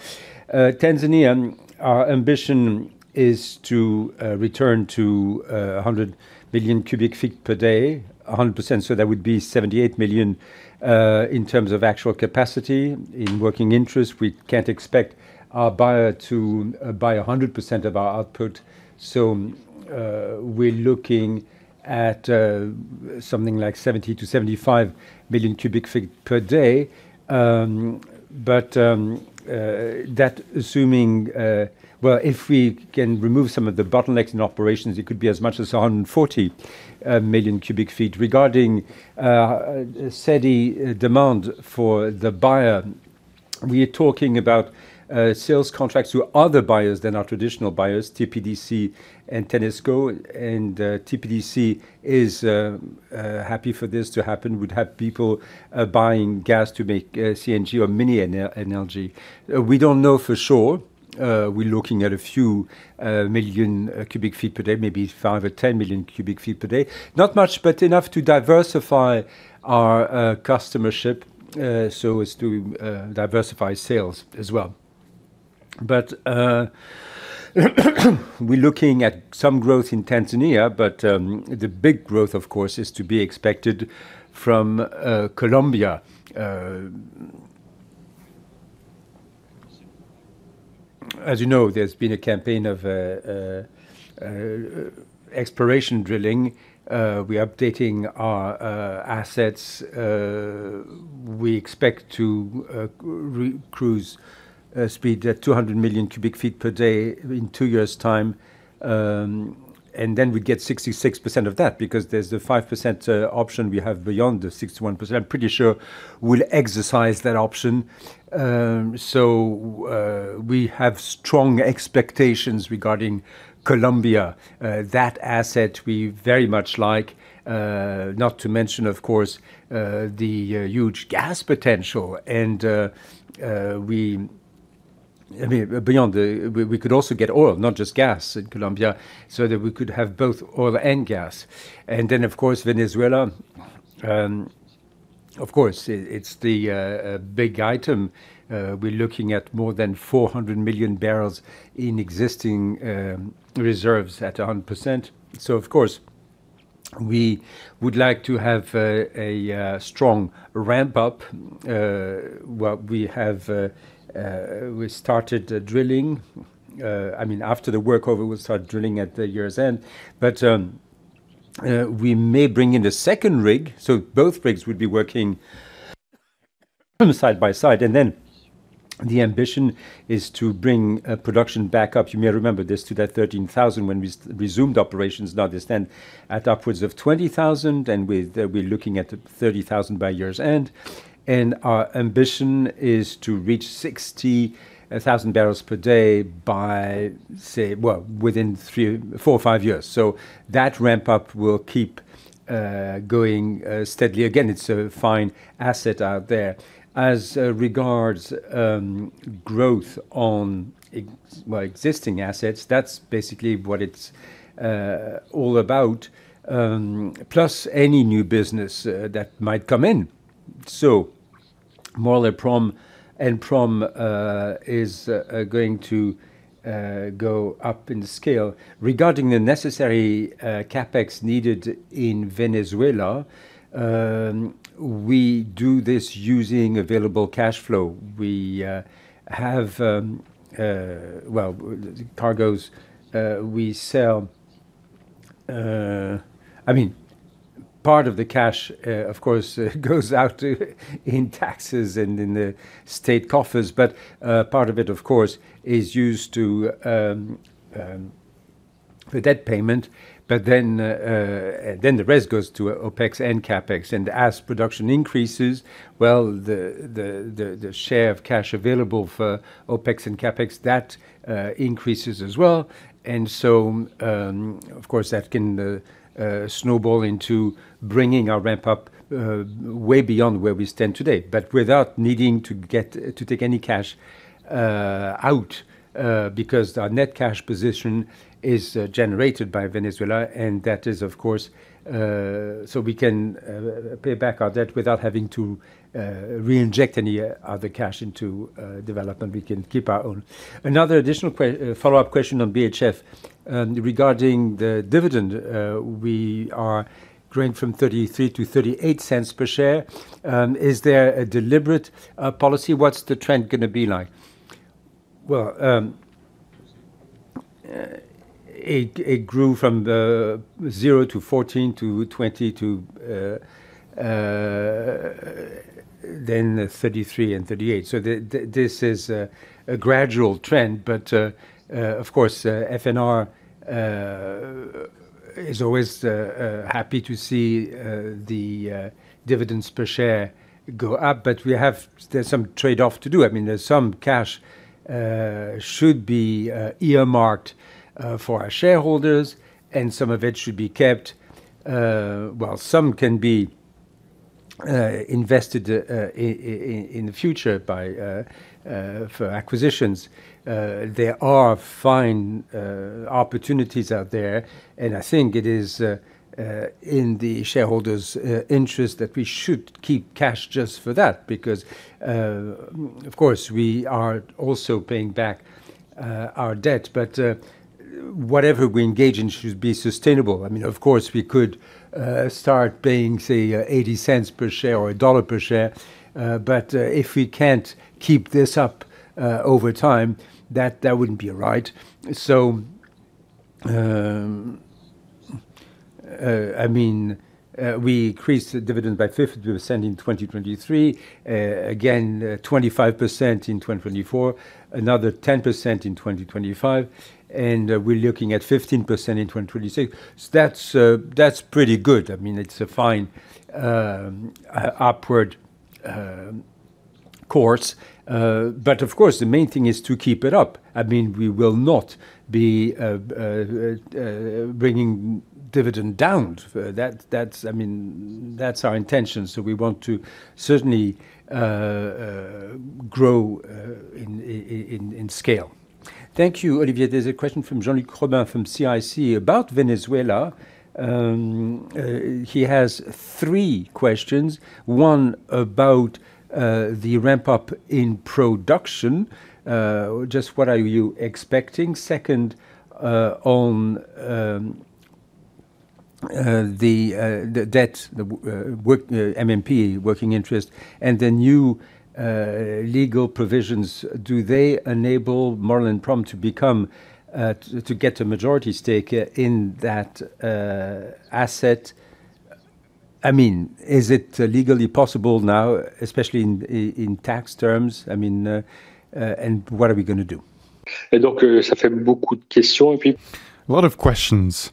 Tanzania, our ambition is to return to 100 billion cubic feet per day, 100%, so that would be 78 million cubic feet per day in terms of actual capacity. In working interest, we can't expect our buyer to buy 100% of our output, so we're looking at something like 70 million cubic feet per day-75 million cubic feet per day. But that assuming well, if we can remove some of the bottlenecks in operations, it could be as much as 140 million cubic feet. Regarding steady demand for the buyer, we are talking about sales contracts to other buyers than our traditional buyers, TPDC and TANESCO. TPDC is happy for this to happen. We'd have people buying gas to make CNG or mini LNG. We don't know for sure. We're looking at a few million cubic feet per day, maybe 5 million cubic feet per day or 10 million cubic feet per day. Not much, but enough to diversify our customership so as to diversify sales as well. We're looking at some growth in Tanzania, but the big growth of course is to be expected from Colombia. As you know, there's been a campaign of exploration drilling. We're updating our assets. We expect to reach cruise speed at 200 million cubic feet per day in two years' time. Then we get 66% of that because there's a 5% option we have beyond the 61%. I'm pretty sure we'll exercise that option. We have strong expectations regarding Colombia. That asset we very much like, not to mention of course the huge gas potential and we could also get oil, not just gas in Colombia, so that we could have both oil and gas. Venezuela, of course it's the big item. We're looking at more than 400 million barrels in existing reserves at 100%. Of course, we would like to have a strong ramp up. We started drilling. I mean, after the workover, we'll start drilling at the year's end. We may bring in a second rig, so both rigs would be working side by side. The ambition is to bring production back up, you may remember this, to that 13,000 bpd when we resumed operations. Now they stand at upwards of 20,000 bpd, and we're looking at 30,000 bpd by year's end. Our ambition is to reach 60,000 bpd by, say, well, within three, four or five years. That ramp up will keep going steadily. Again, it's a fine asset out there. As regards growth on existing wells, existing assets, that's basically what it's all about, plus any new business that might come in. Maurel & Prom is going to go up in scale. Regarding the necessary CapEx needed in Venezuela, we do this using available cash flow. We have well, cargos we sell. I mean, part of the cash, of course goes out in taxes and in the state coffers, but part of it, of course, is used to the debt payment. Then the rest goes to OpEx and CapEx. As production increases, well, the share of cash available for OpEx and CapEx that increases as well. Of course, that can snowball into bringing our ramp-up way beyond where we stand today. Without needing to take any cash out, because our net cash position is generated by Venezuela, and that is, of course, so we can pay back our debt without having to reinject any other cash into development. We can keep our own. Follow-up question on ODDO BHF regarding the dividend, we are growing from 0.33 to 0.38 per share. Is there a deliberate policy? What's the trend gonna be like? It grew from zero to 0.14 to 0.20 to then 0.33 and 0.38. This is a gradual trend. Of course, we are always happy to see the dividends per share go up. There's some trade-off to do. I mean, there's some cash should be earmarked for our shareholders, and some of it should be kept while some can be invested in the future for acquisitions. There are fine opportunities out there, and I think it is in the shareholders' interest that we should keep cash just for that. Because, of course, we are also paying back our debt. Whatever we engage in should be sustainable. I mean, of course, we could start paying, say, 0.80 per share or $1 per share, but if we can't keep this up over time, that wouldn't be all right. I mean, we increased the dividend by 50% in 2023, again 25% in 2024, another 10% in 2025, and we're looking at 15% in 2026. That's pretty good. I mean, it's a fine upward course. Of course, the main thing is to keep it up. I mean, we will not be bringing dividend down for that. That's our intention. We want to certainly grow in scale. Thank you, Olivier. There's a question from Jean-Luc Romain from CIC about Venezuela. He has three questions. One about the ramp-up in production, just what are you expecting? Second, on the debt, the M&P working interest, and the new legal provisions, do they enable Maurel & Prom to get a majority stake in that asset? I mean, is it legally possible now, especially in tax terms? I mean, and what are we gonna do? A lot of questions,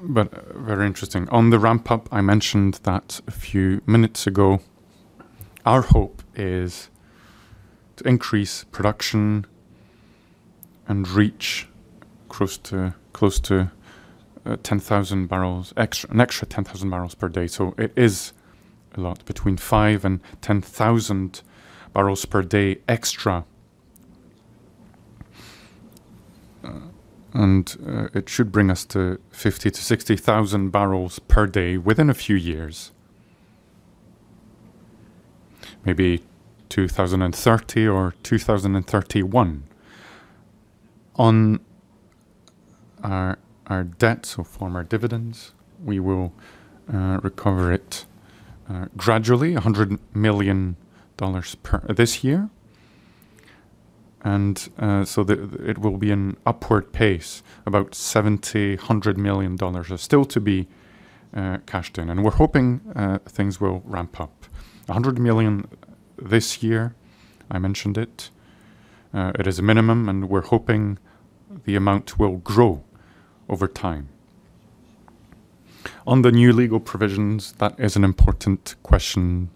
but very interesting. On the ramp-up, I mentioned that a few minutes ago. Our hope is to increase production and reach close to an extra 10,000 bpd. It is a lot, between 5,000 bpd and 10,000 bpd extra. It should bring us to 50,000 bpd-60,000 bpd within a few years. Maybe 2030 or 2031. On our debts or former dividends, we will recover it gradually, $100 million in this year. It will be an upward pace. About $70 million-$100 million are still to be cashed in, and we're hoping things will ramp up. $100 million this year, I mentioned it. It is a minimum, and we're hoping the amount will grow over time. On the new legal provisions, that is an important question.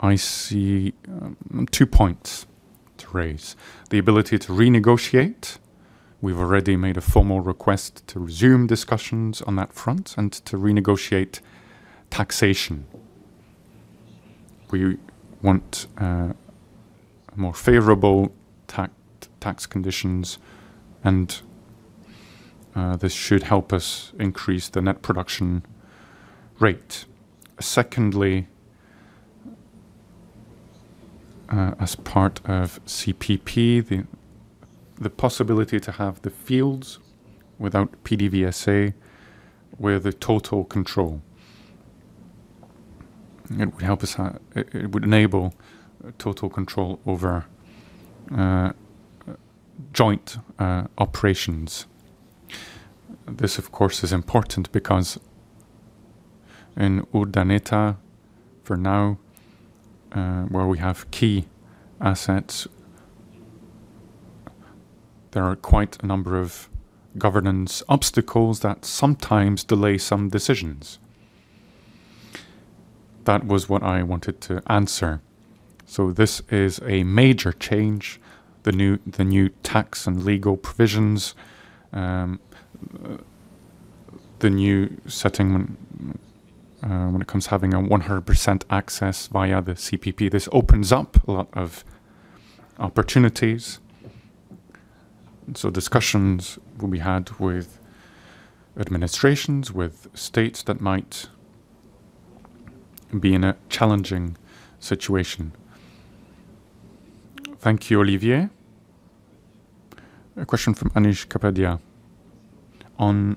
I see two points to raise. The ability to renegotiate. We've already made a formal request to resume discussions on that front and to renegotiate taxation. We want more favorable tax conditions and this should help us increase the net production rate. Secondly, as part of CPP, the possibility to have the fields without PDVSA with total control. It would help us. It would enable total control over joint operations. This, of course, is important because in Urdaneta, for now, where we have key assets, there are quite a number of governance obstacles that sometimes delay some decisions. That was what I wanted to answer. This is a major change, the new tax and legal provisions, the new setting, when it comes to having 100% access via the CPP. This opens up a lot of opportunities. Discussions will be had with administrations, with states that might be in a challenging situation. Thank you, Olivier. A question from Anish Kapadia on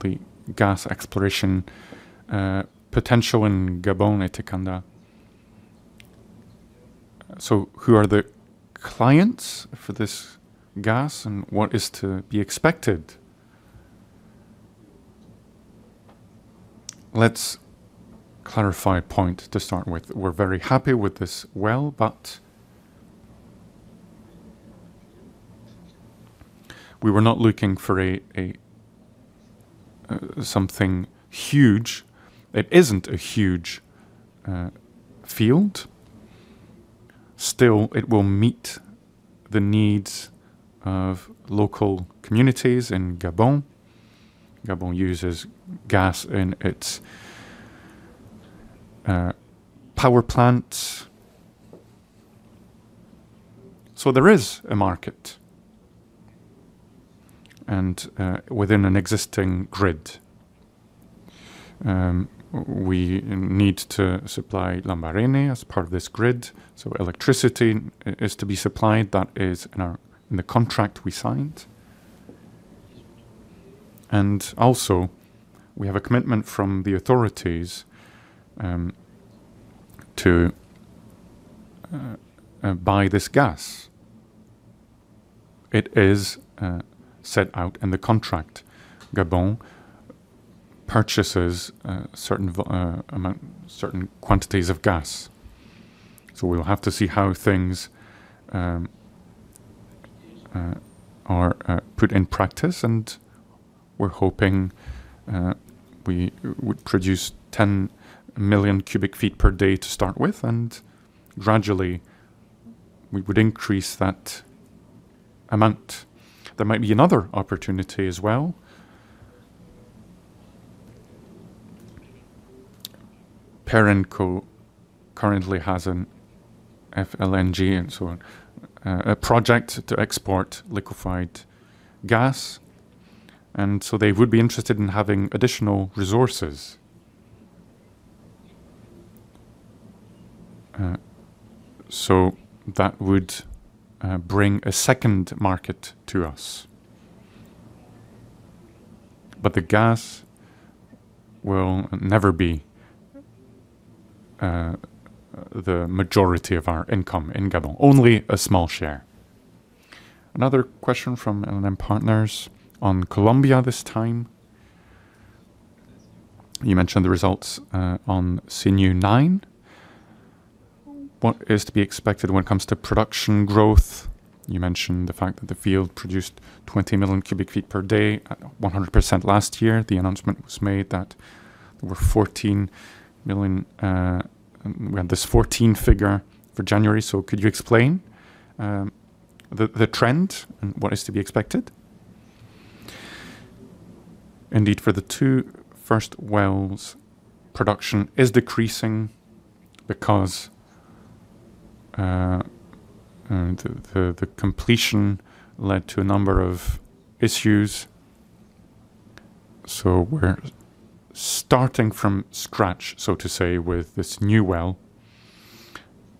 the gas exploration potential in Gabon, Etekamba. Who are the clients for this gas, and what is to be expected? Let's clarify a point to start with. We're very happy with this well, but we were not looking for something huge. It isn't a huge field. Still, it will meet the needs of local communities in Gabon. Gabon uses gas in its power plants. There is a market and within an existing grid. We need to supply Lambaréné as part of this grid, so electricity is to be supplied. That is in our contract we signed. We have a commitment from the authorities to buy this gas. It is set out in the contract. Gabon purchases a certain amount, certain quantities of gas. We'll have to see how things are put in practice, and we're hoping we would produce 10 million cubic feet per day to start with, and gradually, we would increase that amount. There might be another opportunity as well. Perenco currently has an FLNG and so on, a project to export liquefied gas, and so they would be interested in having additional resources. That would bring a second market to us. The gas will never be the majority of our income in Gabon, only a small share. Another question from LMM Partners on Colombia this time. You mentioned the results on Sinu-9. What is to be expected when it comes to production growth? You mentioned the fact that the field produced 20 million cubic feet per day, 100% last year. The announcement was made that there were 14 million. We have this 14 figure for January. Could you explain the trend and what is to be expected? Indeed, for the two first wells, production is decreasing because the completion led to a number of issues. We're starting from scratch, so to say, with this new well,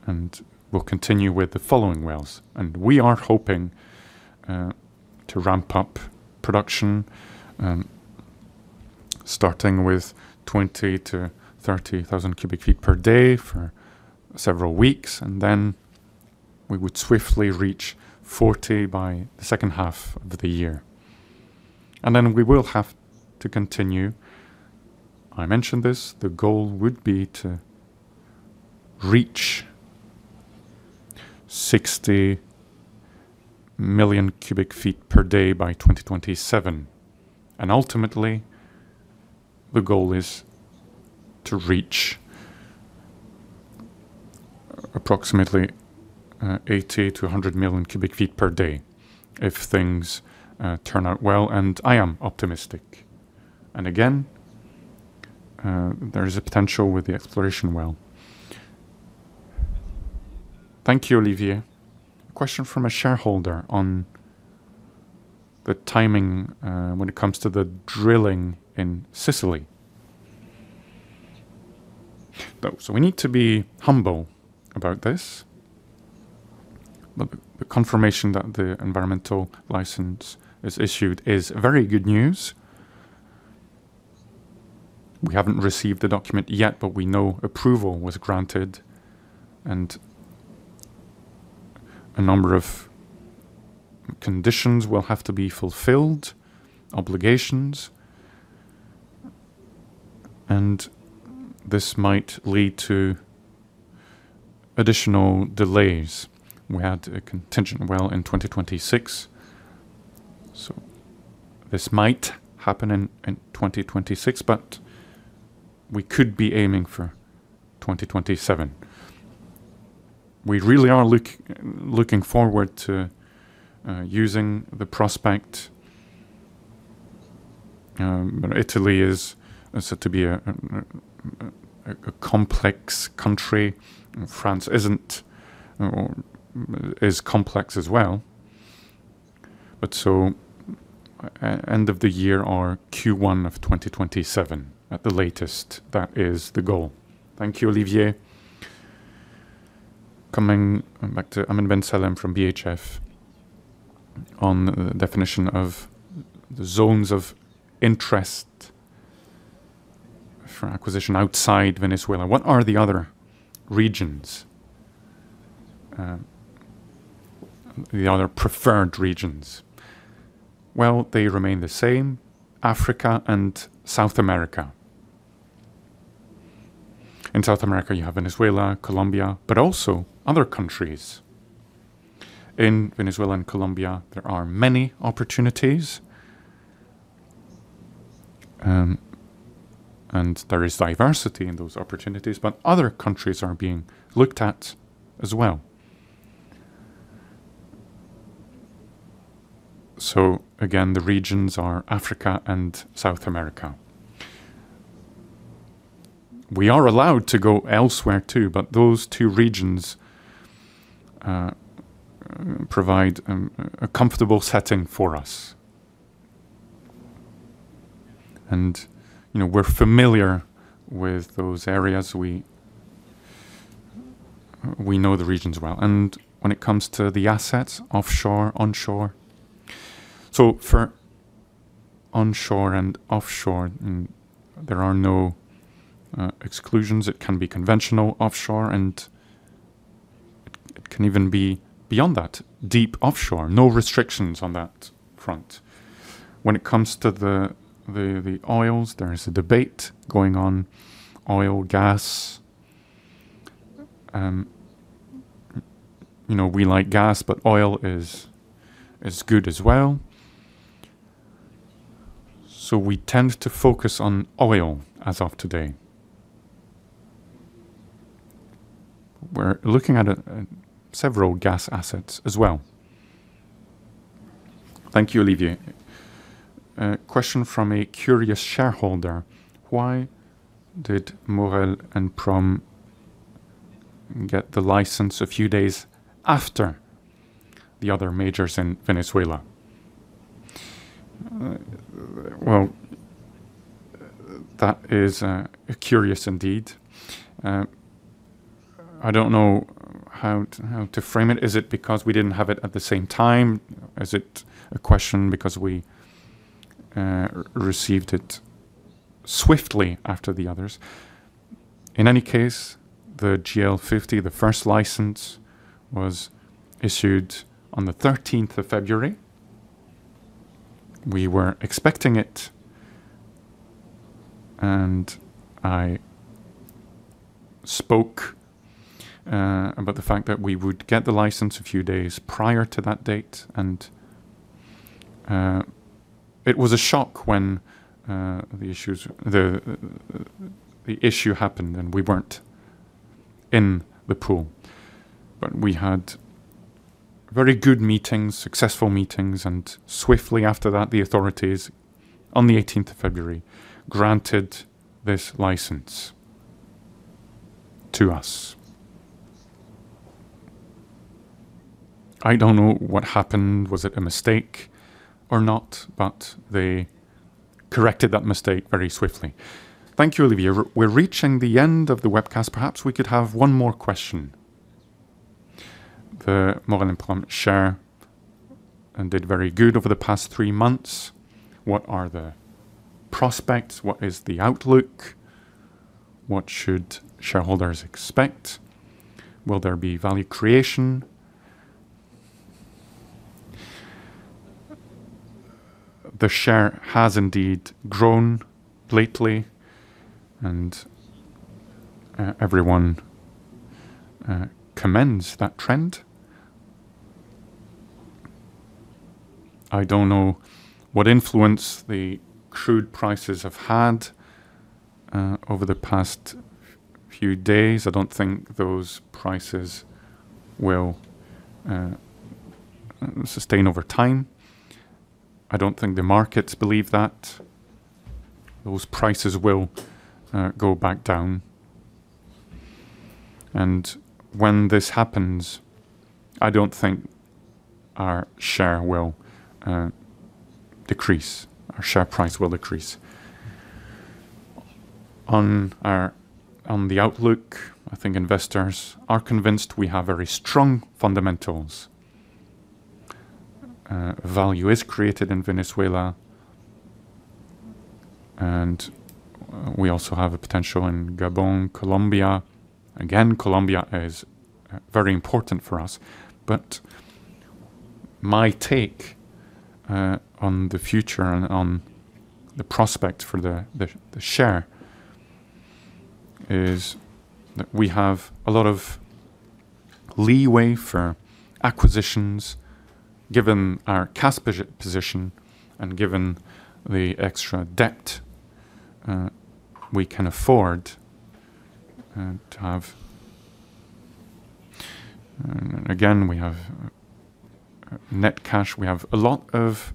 and we'll continue with the following wells. We are hoping to ramp up production, starting with 20,000 cu ft per day to 30,000 cu ft per day for several weeks, and then we would swiftly reach 40 by the second half of the year. Then we will have to continue. I mentioned this, the goal would be to reach 60 million cubic feet per day by 2027. Ultimately, the goal is to reach approximately 80 million cubic feet per day-100 million cubic feet per day if things turn out well, and I am optimistic. Again, there is a potential with the exploration well. Thank you, Olivier. A question from a shareholder on the timing when it comes to the drilling in Sicily. We need to be humble about this. The confirmation that the environmental license is issued is very good news. We haven't received the document yet, but we know approval was granted, and a number of conditions will have to be fulfilled, obligations, and this might lead to additional delays. We had a contingent well in 2026, so this might happen in 2026, but we could be aiming for 2027. We really are looking forward to using the prospect. Italy is said to be a complex country. France isn't, or is complex as well. End of the year or Q1 of 2027 at the latest, that is the goal. Thank you, Olivier. Coming back to Ahmed Ben Salem from ODDO BHF on the definition of the zones of interest for acquisition outside Venezuela. What are the other regions? The other preferred regions. Well, they remain the same, Africa and South America. In South America, you have Venezuela, Colombia, but also other countries. In Venezuela and Colombia, there are many opportunities, and there is diversity in those opportunities, but other countries are being looked at as well. Again, the regions are Africa and South America. We are allowed to go elsewhere too, but those two regions provide a comfortable setting for us. You know, we're familiar with those areas. We know the regions well. When it comes to the assets offshore, onshore. For onshore and offshore, there are no exclusions. It can be conventional offshore, and it can even be beyond that, deep offshore. No restrictions on that front. When it comes to the oils, there is a debate going on. Oil, gas, you know, we like gas, but oil is as good as well. We tend to focus on oil as of today. We're looking at several gas assets as well. Thank you, Olivier. A question from a curious shareholder. Why did Maurel & Prom get the license a few days after the other majors in Venezuela? That is curious indeed. I don't know how to frame it. Is it because we didn't have it at the same time? Is it a question because we received it swiftly after the others? In any case, the GL 50, the first license, was issued on the 13th of February. We were expecting it, and I spoke about the fact that we would get the license a few days prior to that date and it was a shock when the issue happened, and we weren't in the pool. We had very good meetings, successful meetings, and swiftly after that, the authorities on the 18th of February granted this license to us. I don't know what happened. Was it a mistake or not? They corrected that mistake very swiftly. Thank you, Olivier. We're reaching the end of the webcast. Perhaps we could have one more question. The Maurel & Prom share has done very good over the past three months. What are the prospects? What is the outlook? What should shareholders expect? Will there be value creation? The share has indeed grown lately, and everyone commends that trend. I don't know what influence the crude prices have had over the past few days. I don't think those prices will sustain over time. I don't think the markets believe that. Those prices will go back down. When this happens, I don't think our share will decrease. Our share price will decrease. On the outlook, I think investors are convinced we have very strong fundamentals. Value is created in Venezuela, and we also have a potential in Gabon, Colombia. Again, Colombia is very important for us. My take on the future and on the prospect for the share is that we have a lot of leeway for acquisitions given our cash position and given the extra debt we can afford to have. Again, we have net cash. We have a lot of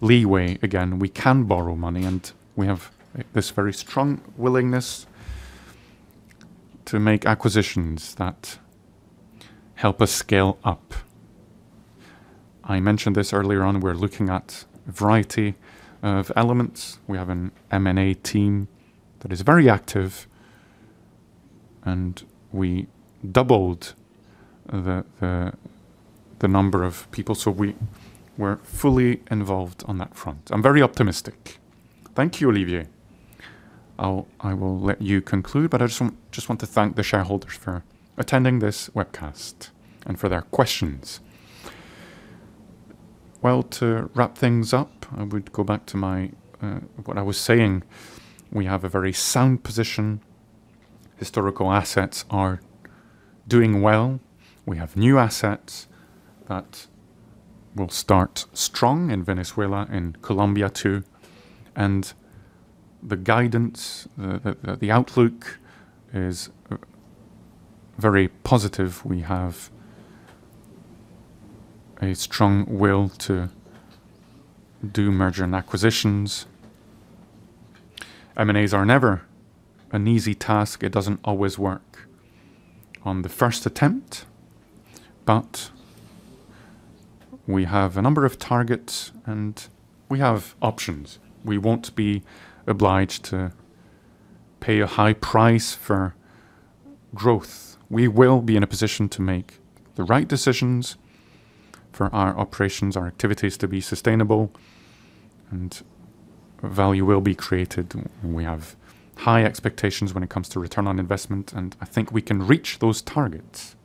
leeway. Again, we can borrow money, and we have this very strong willingness to make acquisitions that help us scale up. I mentioned this earlier on, we're looking at a variety of elements. We have an M&A team that is very active, and we doubled the number of people, so we're fully involved on that front. I'm very optimistic. Thank you, Olivier. I will let you conclude, but I just want to thank the shareholders for attending this webcast and for their questions. Well, to wrap things up, I would go back to my what I was saying. We have a very sound position. Historical assets are doing well. We have new assets that will start strong in Venezuela and Colombia too. The guidance, the outlook is very positive. We have a strong will to do merger and acquisitions. M&As are never an easy task. It doesn't always work on the first attempt, but we have a number of targets, and we have options. We won't be obliged to pay a high price for growth. We will be in a position to make the right decisions for our operations, our activities to be sustainable, and value will be created. We have high expectations when it comes to return on investment, and I think we can reach those targets.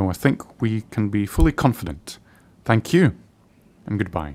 I think we can be fully confident. Thank you and goodbye.